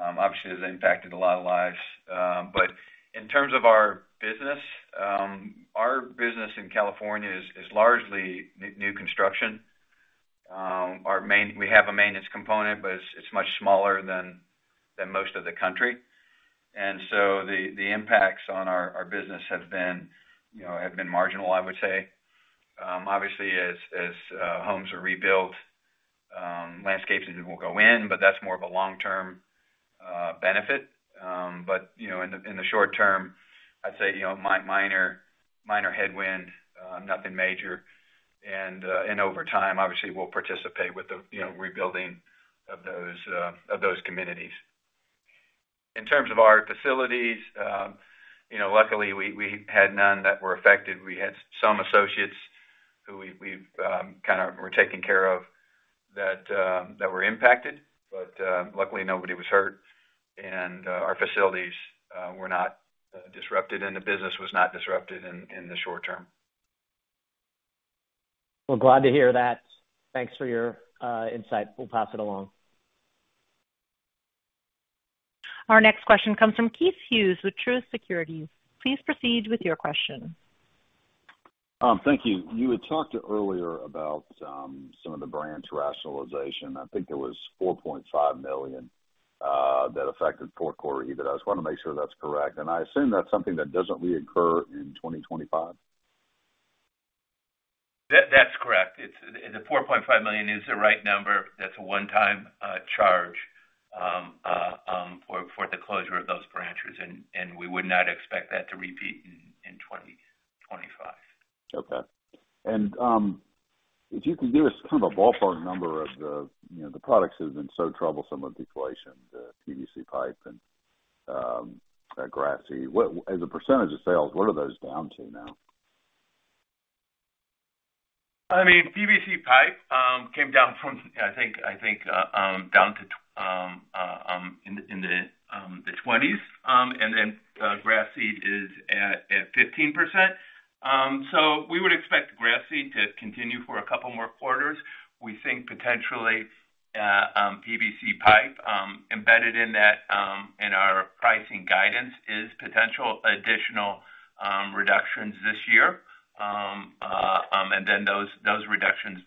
obviously has impacted a lot of lives. But in terms of our business, our business in California is largely new construction. Our main, we have a maintenance component, but it's much smaller than most of the country. And so the impacts on our business have been, you know, have been marginal, I would say. Obviously, as homes are rebuilt, landscapes will go in, but that's more of a long-term benefit. But, you know, in the short term, I'd say, you know, minor headwind, nothing major. And over time, obviously, we'll participate with the, you know, rebuilding of those communities. In terms of our facilities, you know, luckily, we had none that were affected. We had some associates who we've kind of were taken care of that were impacted, but luckily, nobody was hurt. And our facilities were not disrupted, and the business was not disrupted in the short term. Glad to hear that. Thanks for your insight. We'll pass it along. Our next question comes from Keith Hughes with Truist Securities. Please proceed with your question. Thank you. You had talked earlier about some of the branch rationalization. I think it was $4.5 million that affected fourth quarter EBITDA. I just want to make sure that's correct. I assume that's something that doesn't reoccur in 2025? That's correct. It's the $4.5 million is the right number. That's a one-time charge for the closure of those branches. We would not expect that to repeat in 2025. Okay. If you could give us kind of a ballpark number of the, you know, the products that have been so troublesome with deflation, the PVC pipe and grass seed, what as a percentage of sales, what are those down to now? I mean, PVC pipe came down from, I think, down to in the 20s. And then grass seed is at 15%. So we would expect grass seed to continue for a couple more quarters. We think potentially PVC pipe embedded in that in our pricing guidance is potential additional reductions this year. And then those reductions,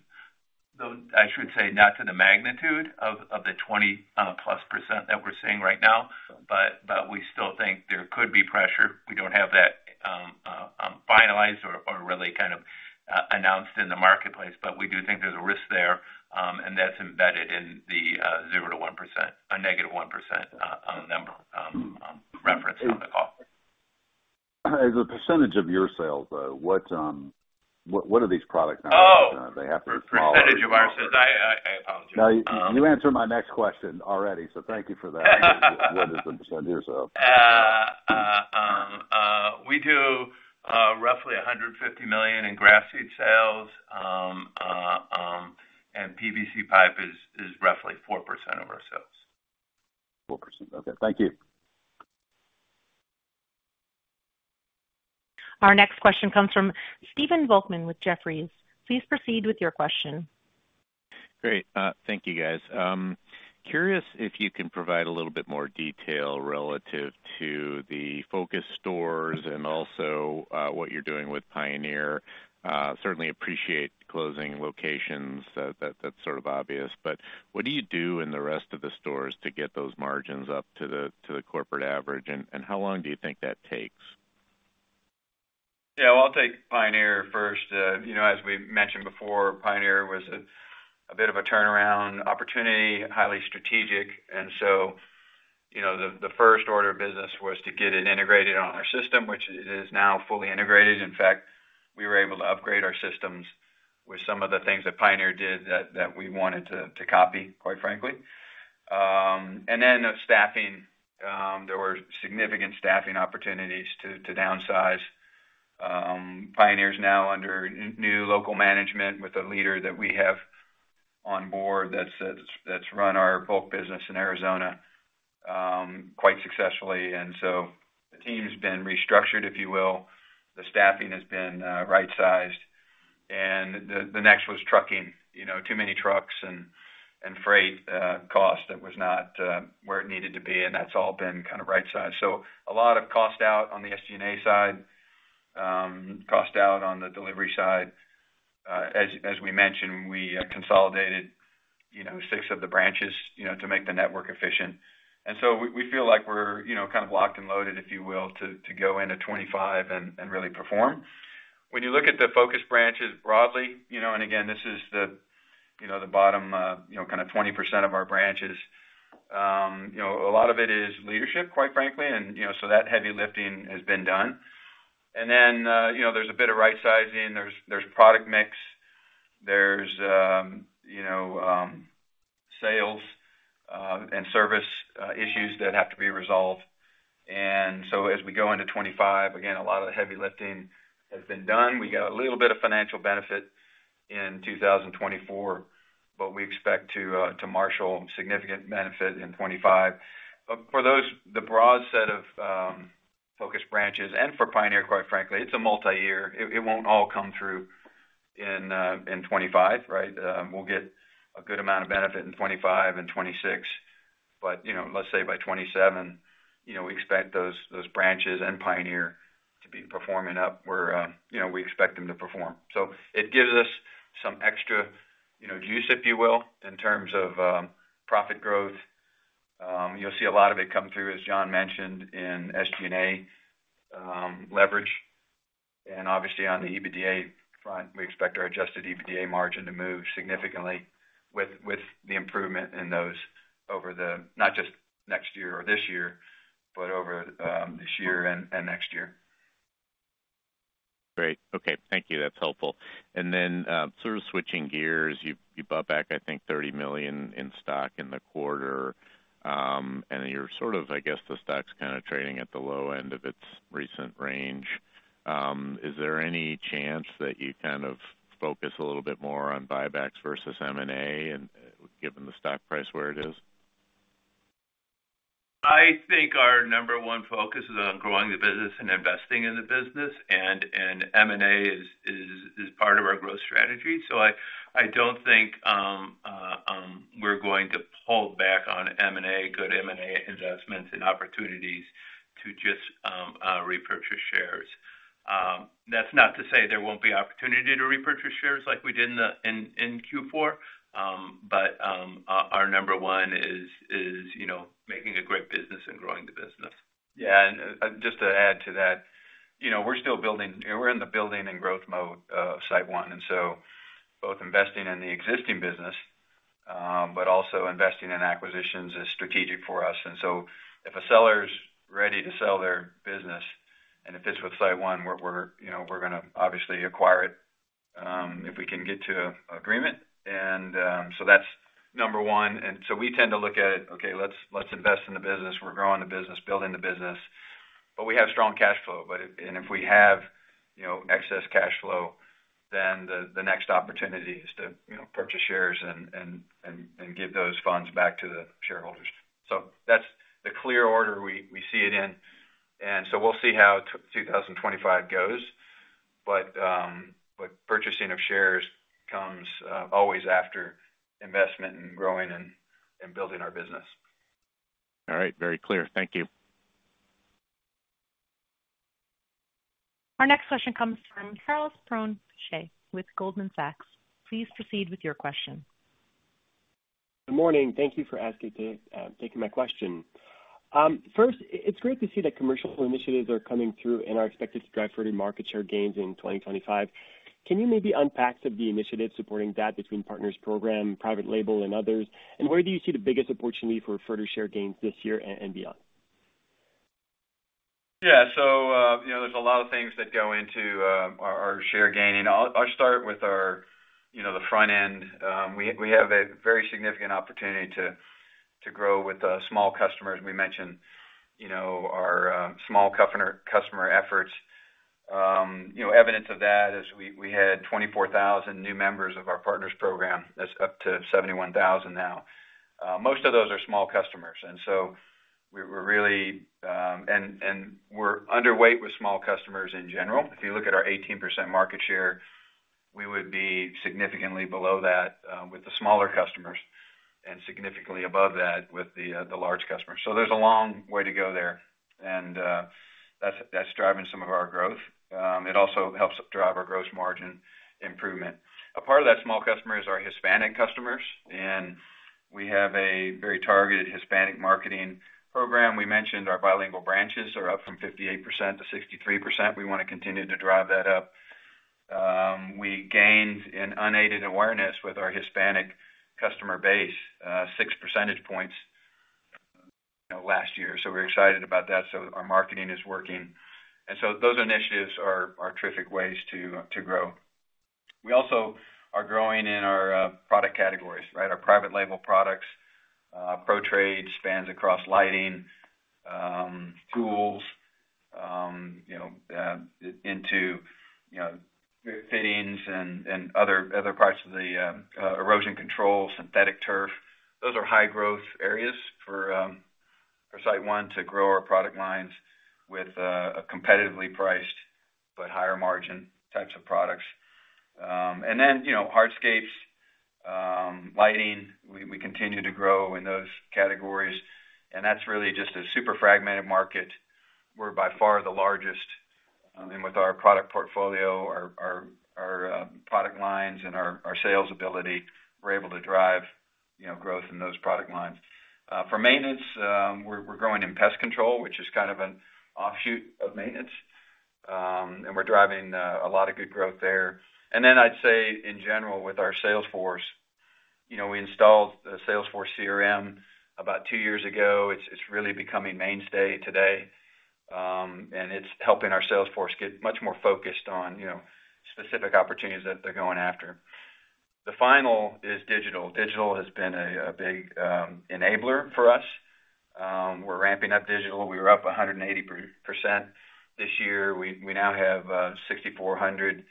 though I should say not to the magnitude of the 20-plus% that we're seeing right now, but we still think there could be pressure. We don't have that finalized or really kind of announced in the marketplace, but we do think there's a risk there, and that's embedded in the 0% to -1% number reference in the call. As a percentage of your sales, though, what are these product numbers? Oh, the percentage of ours is. I apologize. Now, you answered my next question already, so thank you for that. What is the percentage of? We do roughly $150 million in grass seed sales, and PVC pipe is roughly 4% of our sales. 4%. Okay. Thank you. Our next question comes from Stephen Volkman with Jefferies. Please proceed with your question. Great. Thank you, guys. Curious if you can provide a little bit more detail relative to the focus stores and also what you're doing with Pioneer. Certainly appreciate closing locations. That's sort of obvious. But what do you do in the rest of the stores to get those margins up to the corporate average? And how long do you think that takes? Yeah, well, I'll take Pioneer first. You know, as we mentioned before, Pioneer was a bit of a turnaround opportunity, highly strategic. And so, you know, the first order of business was to get it integrated on our system, which it is now fully integrated. In fact, we were able to upgrade our systems with some of the things that Pioneer did that we wanted to copy, quite frankly. And then, of staffing, there were significant staffing opportunities to downsize. Pioneer is now under new local management with a leader that we have on board that's run our bulk business in Arizona quite successfully. And so the team's been restructured, if you will. The staffing has been right-sized. And the next was trucking, you know, too many trucks and freight cost that was not where it needed to be. And that's all been kind of right-sized. So a lot of cost out on the SG&A side, cost out on the delivery side. As we mentioned, we consolidated, you know, six of the branches, you know, to make the network efficient. And so we feel like we're, you know, kind of locked and loaded, if you will, to go into 2025 and really perform. When you look at the focus branches broadly, you know, and again, this is the, you know, the bottom, you know, kind of 20% of our branches, you know, a lot of it is leadership, quite frankly, and, you know, so that heavy lifting has been done. And then, you know, there's a bit of right-sizing. There's product mix. There's, you know, sales and service issues that have to be resolved. And so as we go into 2025, again, a lot of the heavy lifting has been done. We got a little bit of financial benefit in 2024, but we expect to marshal significant benefit in 2025. But for those, the broad set of focus branches and for Pioneer, quite frankly, it's a multi-year. It won't all come through in 2025, right? We'll get a good amount of benefit in 2025 and 2026. But, you know, let's say by 2027, you know, we expect those branches and Pioneer to be performing up where you know, we expect them to perform. So it gives us some extra, you know, juice, if you will, in terms of profit growth. You'll see a lot of it come through, as John mentioned, in SG&A leverage. Obviously, on the EBITDA front, we expect our adjusted EBITDA margin to move significantly with the improvement in those over the not just next year or this year, but over this year and next year. Great. Okay. Thank you. That's helpful. And then sort of switching gears, you bought back, I think, $30 million in stock in the quarter. And you're sort of, I guess, the stock's kind of trading at the low end of its recent range. Is there any chance that you kind of focus a little bit more on buybacks versus M&A and given the stock price where it is? I think our number one focus is on growing the business and investing in the business. And M&A is part of our growth strategy. So I don't think we're going to hold back on M&A, good M&A investments and opportunities to just repurchase shares. That's not to say there won't be opportunity to repurchase shares like we did in Q4. But our number one is, you know, making a great business and growing the business. Yeah. And just to add to that, you know, we're still building. We're in the building and growth mode of SiteOne. And so both investing in the existing business, but also investing in acquisitions is strategic for us. And so if a seller is ready to sell their business, and if it's with SiteOne, we're, you know, we're going to obviously acquire it if we can get to an agreement. And so that's number one. And so we tend to look at it, okay, let's invest in the business. We're growing the business, building the business. But we have strong cash flow. But if we have, you know, excess cash flow, then the next opportunity is to, you know, purchase shares and give those funds back to the shareholders. So that's the clear order we see it in. And so we'll see how 2025 goes. But purchasing of shares comes always after investment and growing and building our business. All right. Very clear. Thank you. Our next question comes from Charles Perron-Piché with Goldman Sachs. Please proceed with your question. Good morning. Thank you for taking my question. First, it's great to see that commercial initiatives are coming through and are expected to drive further market share gains in 2025. Can you maybe unpack some of the initiatives supporting that between Partners Program, private label, and others? Where do you see the biggest opportunity for further share gains this year and beyond? Yeah. You know, there's a lot of things that go into our share gain. I'll start with our, you know, the front end. We have a very significant opportunity to grow with the small customers. We mentioned, you know, our small customer efforts. You know, evidence of that is we had 24,000 new members of our Partners Program. That's up to 71,000 now. Most of those are small customers. We're really, and we're underweight with small customers in general. If you look at our 18% market share, we would be significantly below that with the smaller customers and significantly above that with the large customers. There's a long way to go there. That's driving some of our growth. It also helps drive our gross margin improvement. A part of that small customer is our Hispanic customers, and we have a very targeted Hispanic marketing program. We mentioned our bilingual branches are up from 58%-63%. We want to continue to drive that up. We gained an unaided awareness with our Hispanic customer base, six percentage points you know last year, so we're excited about that, so our marketing is working, and so those initiatives are terrific ways to grow. We also are growing in our product categories, right? Our private label products, Pro-Trade, spans across lighting, tools, you know, into you know fittings and other parts of the erosion control, synthetic turf. Those are high growth areas for SiteOne to grow our product lines with a competitively priced but higher margin types of products. And then, you know, hardscapes, lighting, we continue to grow in those categories. And that's really just a super fragmented market. We're by far the largest. And with our product portfolio, our product lines and our sales ability, we're able to drive, you know, growth in those product lines. For maintenance, we're growing in pest control, which is kind of an offshoot of maintenance. And we're driving a lot of good growth there. And then I'd say in general with our sales force, you know, we installed the Salesforce CRM about two years ago. It's really becoming a mainstay today. And it's helping our sales force get much more focused on, you know, specific opportunities that they're going after. The final is digital. Digital has been a big enabler for us. We're ramping up digital. We were up 180% this year. We now have 6,400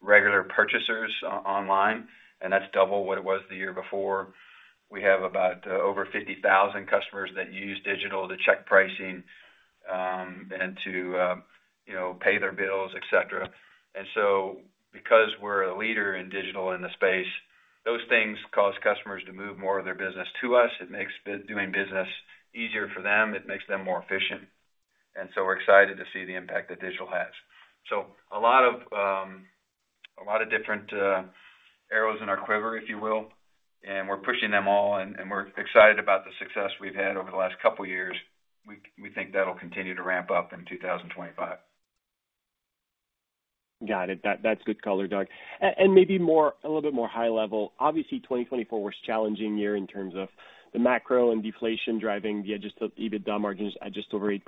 regular purchasers online, and that's double what it was the year before. We have over 50,000 customers that use digital to check pricing and to, you know, pay their bills, et cetera. And so because we're a leader in digital in the space, those things cause customers to move more of their business to us. It makes doing business easier for them. It makes them more efficient. And so we're excited to see the impact that digital has. So a lot of different arrows in our quiver, if you will, and we're pushing them all. And we're excited about the success we've had over the last couple of years. We think that'll continue to ramp up in 2025. Got it. That's good color, Doug. And maybe a little bit more high level. Obviously, 2024 was a challenging year in terms of the macro and deflation driving the adjusted EBITDA margins at just over 8%.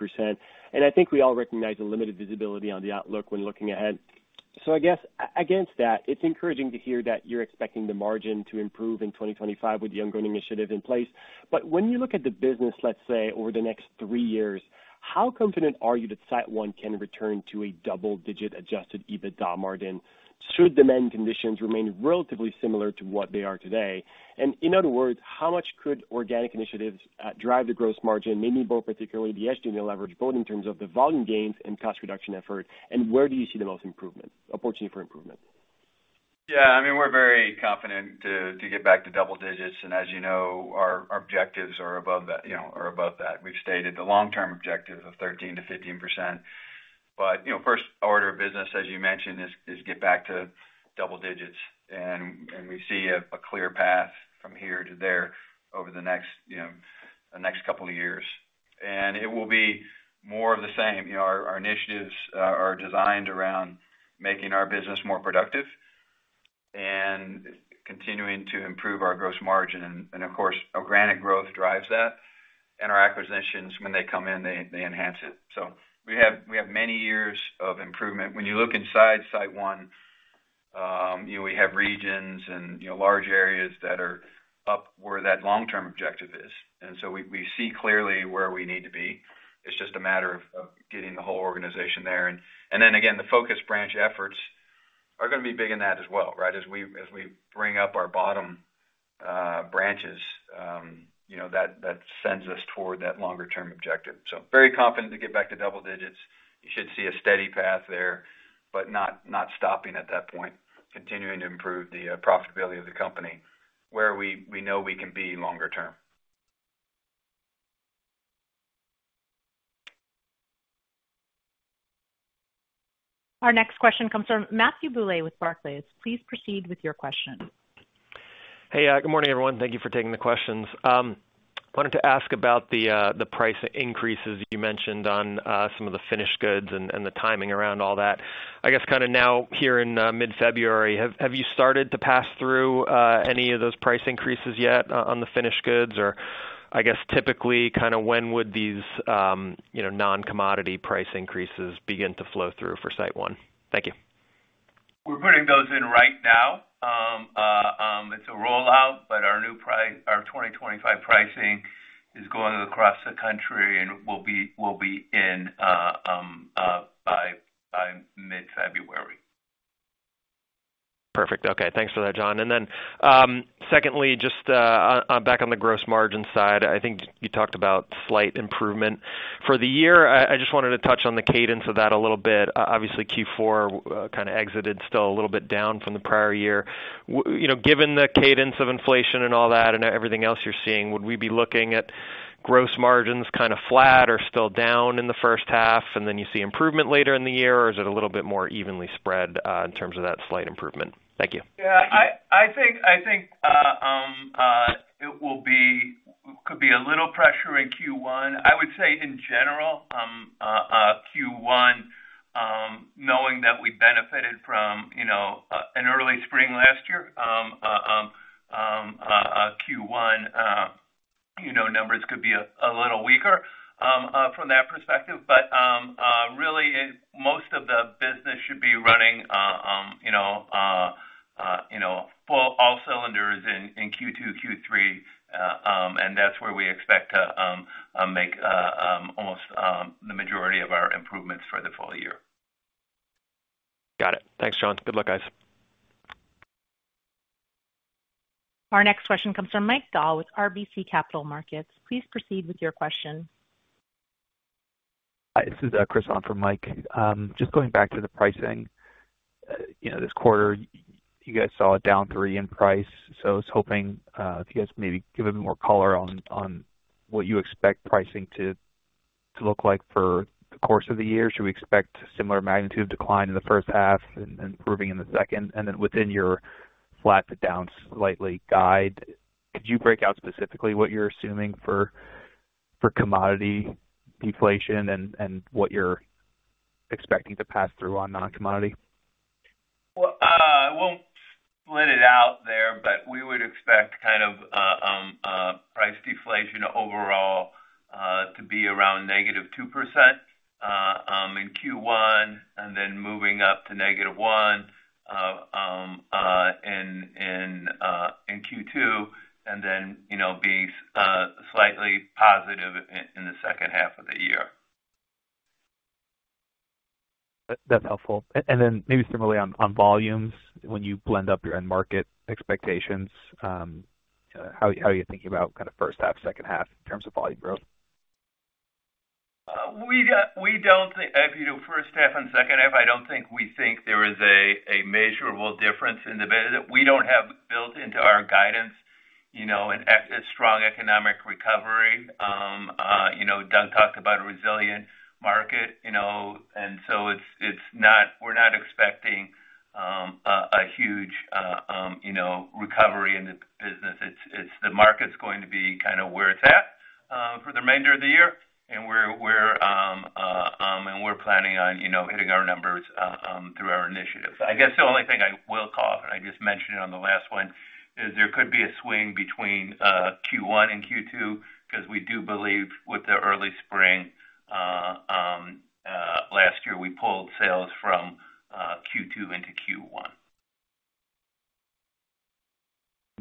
And I think we all recognize the limited visibility on the outlook when looking ahead. So I guess against that, it's encouraging to hear that you're expecting the margin to improve in 2025 with the ongoing initiative in place. But when you look at the business, let's say, over the next three years, how confident are you that SiteOne can return to a double-digit adjusted EBITDA margin should the main conditions remain relatively similar to what they are today? And in other words, how much could organic initiatives drive the gross margin, mainly both particularly the SG&A leverage, both in terms of the volume gains and cost reduction effort? And where do you see the most opportunity for improvement? Yeah, I mean, we're very confident to get back to double digits. And as you know, our objectives are above that, you know, are above that. We've stated the long-term objectives of 13%-15%. But, you know, first order of business, as you mentioned, is get back to double digits. And we see a clear path from here to there over the next, you know, the next couple of years. And it will be more of the same. You know, our initiatives are designed around making our business more productive and continuing to improve our gross margin. And of course, organic growth drives that. And our acquisitions, when they come in, they enhance it. So we have many years of improvement. When you look inside SiteOne, you know, we have regions and, you know, large areas that are up where that long-term objective is. And so we see clearly where we need to be. It's just a matter of getting the whole organization there. And then again, the focus branch efforts are going to be big in that as well, right? As we bring up our bottom branches, you know, that sends us toward that longer-term objective. So very confident to get back to double digits. You should see a steady path there, but not stopping at that point, continuing to improve the profitability of the company where we know we can be longer-term. Our next question comes from Matthew Bouley with Barclays. Please proceed with your question. Hey, good morning, everyone. Thank you for taking the questions. I wanted to ask about the price increases you mentioned on some of the finished goods and the timing around all that. I guess kind of now here in mid-February, have you started to pass through any of those price increases yet on the finished goods? Or I guess typically kind of when would these, you know, non-commodity price increases begin to flow through for SiteOne? Thank you. We're putting those in right now. It's a rollout, but our new price, our 2025 pricing is going across the country and will be in by mid-February. Perfect. Okay. Thanks for that, John. And then secondly, just back on the gross margin side, I think you talked about slight improvement for the year. I just wanted to touch on the cadence of that a little bit. Obviously, Q4 kind of exited still a little bit down from the prior year. You know, given the cadence of inflation and all that and everything else you're seeing, would we be looking at gross margins kind of flat or still down in the first half? And then you see improvement later in the year, or is it a little bit more evenly spread in terms of that slight improvement? Thank you. Yeah, I think it could be a little pressure in Q1. I would say in general, Q1, knowing that we benefited from, you know, an early spring last year, Q1, you know, numbers could be a little weaker from that perspective. But really, most of the business should be running, you know, on all cylinders in Q2, Q3. And that's where we expect to make almost the majority of our improvements for the full year. Got it. Thanks, John. Good luck, guys. Our next question comes from Mike Dahl with RBC Capital Markets. Please proceed with your question. This is Chris on for Mike. Just going back to the pricing, you know, this quarter, you guys saw a down three in price. So I was hoping if you guys maybe give a bit more color on what you expect pricing to look like for the course of the year. Should we expect similar magnitude of decline in the first half and then improving in the second? And then within your flat to down slightly guide, could you break out specifically what you're assuming for commodity deflation and what you're expecting to pass through on non-commodity? I won't lay it out there, but we would expect kind of price deflation overall to be around -2% in Q1 and then moving up to -1% in Q2 and then, you know, be slightly positive in the second half of the year. That's helpful. And then maybe similarly on volumes, when you blend up your end market expectations, how are you thinking about kind of first half, second half in terms of volume growth? We don't think, if you do first half and second half, I don't think we think there is a measurable difference in the business. We don't have built into our guidance, you know, and a strong economic recovery. You know, Doug talked about a resilient market, you know, and so it's not we're not expecting a huge you know, recovery in the business. It's the market's going to be kind of where it's at for the remainder of the year. And we're planning on, you know, hitting our numbers through our initiatives. I guess the only thing I will call, and I just mentioned it on the last one, is there could be a swing between Q1 and Q2 because we do believe with the early spring, last year, we pulled sales from Q2 into Q1.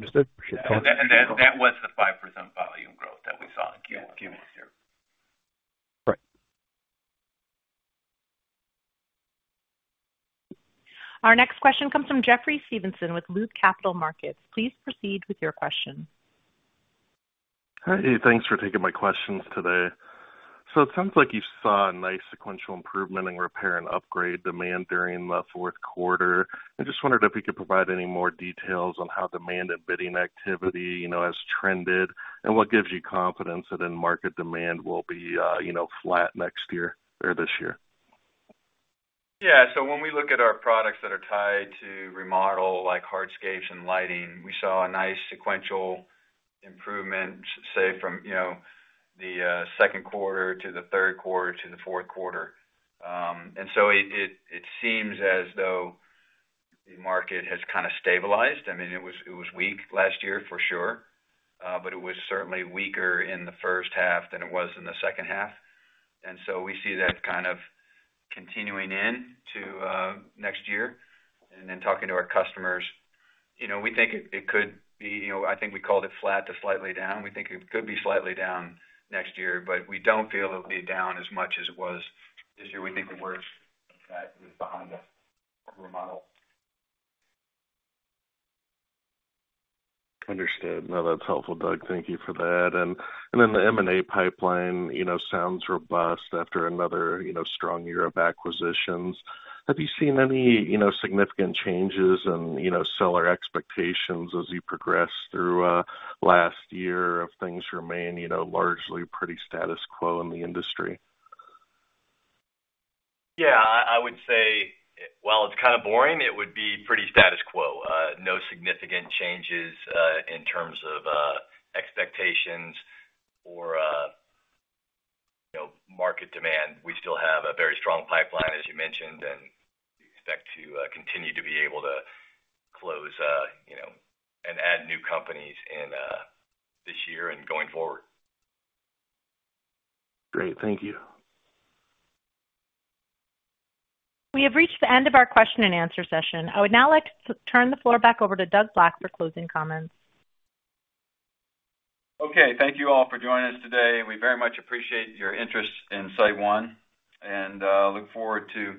Understood. And that was the 5% volume growth that we saw in Q1 last year. Our next question comes from Jeffrey Stevenson with Loop Capital Markets. Please proceed with your question. Hey, thanks for taking my questions today. So it sounds like you saw a nice sequential improvement in repair and upgrade demand during the fourth quarter. I just wondered if we could provide any more details on how demand and bidding activity, you know, has trended and what gives you confidence that in market demand will be, you know, flat next year or this year? Yeah, so when we look at our products that are tied to remodel, like hardscapes and lighting, we saw a nice sequential improvement, say, from, you know, the second quarter to the third quarter to the fourth quarter, and so it seems as though the market has kind of stabilized. I mean, it was weak last year for sure, but it was certainly weaker in the first half than it was in the second half, and so we see that kind of continuing into next year. And then talking to our customers, you know, we think it could be, you know, I think we called it flat to slightly down. We think it could be slightly down next year, but we don't feel it'll be down as much as it was this year. We think it works. Understood. No, that's helpful, Doug. Thank you for that. And then the M&A pipeline, you know, sounds robust after another, you know, strong year of acquisitions. Have you seen any, you know, significant changes in, you know, seller expectations as you progress through last year of things remaining, you know, largely pretty status quo in the industry? Yeah, I would say, while it's kind of boring, it would be pretty status quo. No significant changes in terms of expectations or, you know, market demand. We still have a very strong pipeline, as you mentioned, and expect to continue to be able to close, you know, and add new companies in this year and going forward. Great. Thank you. We have reached the end of our question and answer session. I would now like to turn the floor back over to Doug Black for closing comments. Okay. Thank you all for joining us today. We very much appreciate your interest in SiteOne and look forward to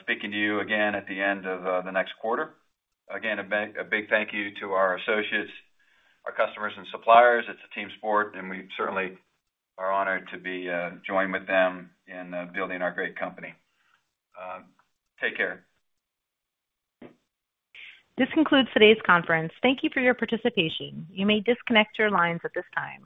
speaking to you again at the end of the next quarter. Again, a big thank you to our associates, our customers, and suppliers. It's a team sport, and we certainly are honored to be joining with them in building our great company. Take care. This concludes today's conference. Thank you for your participation. You may disconnect your lines at this time.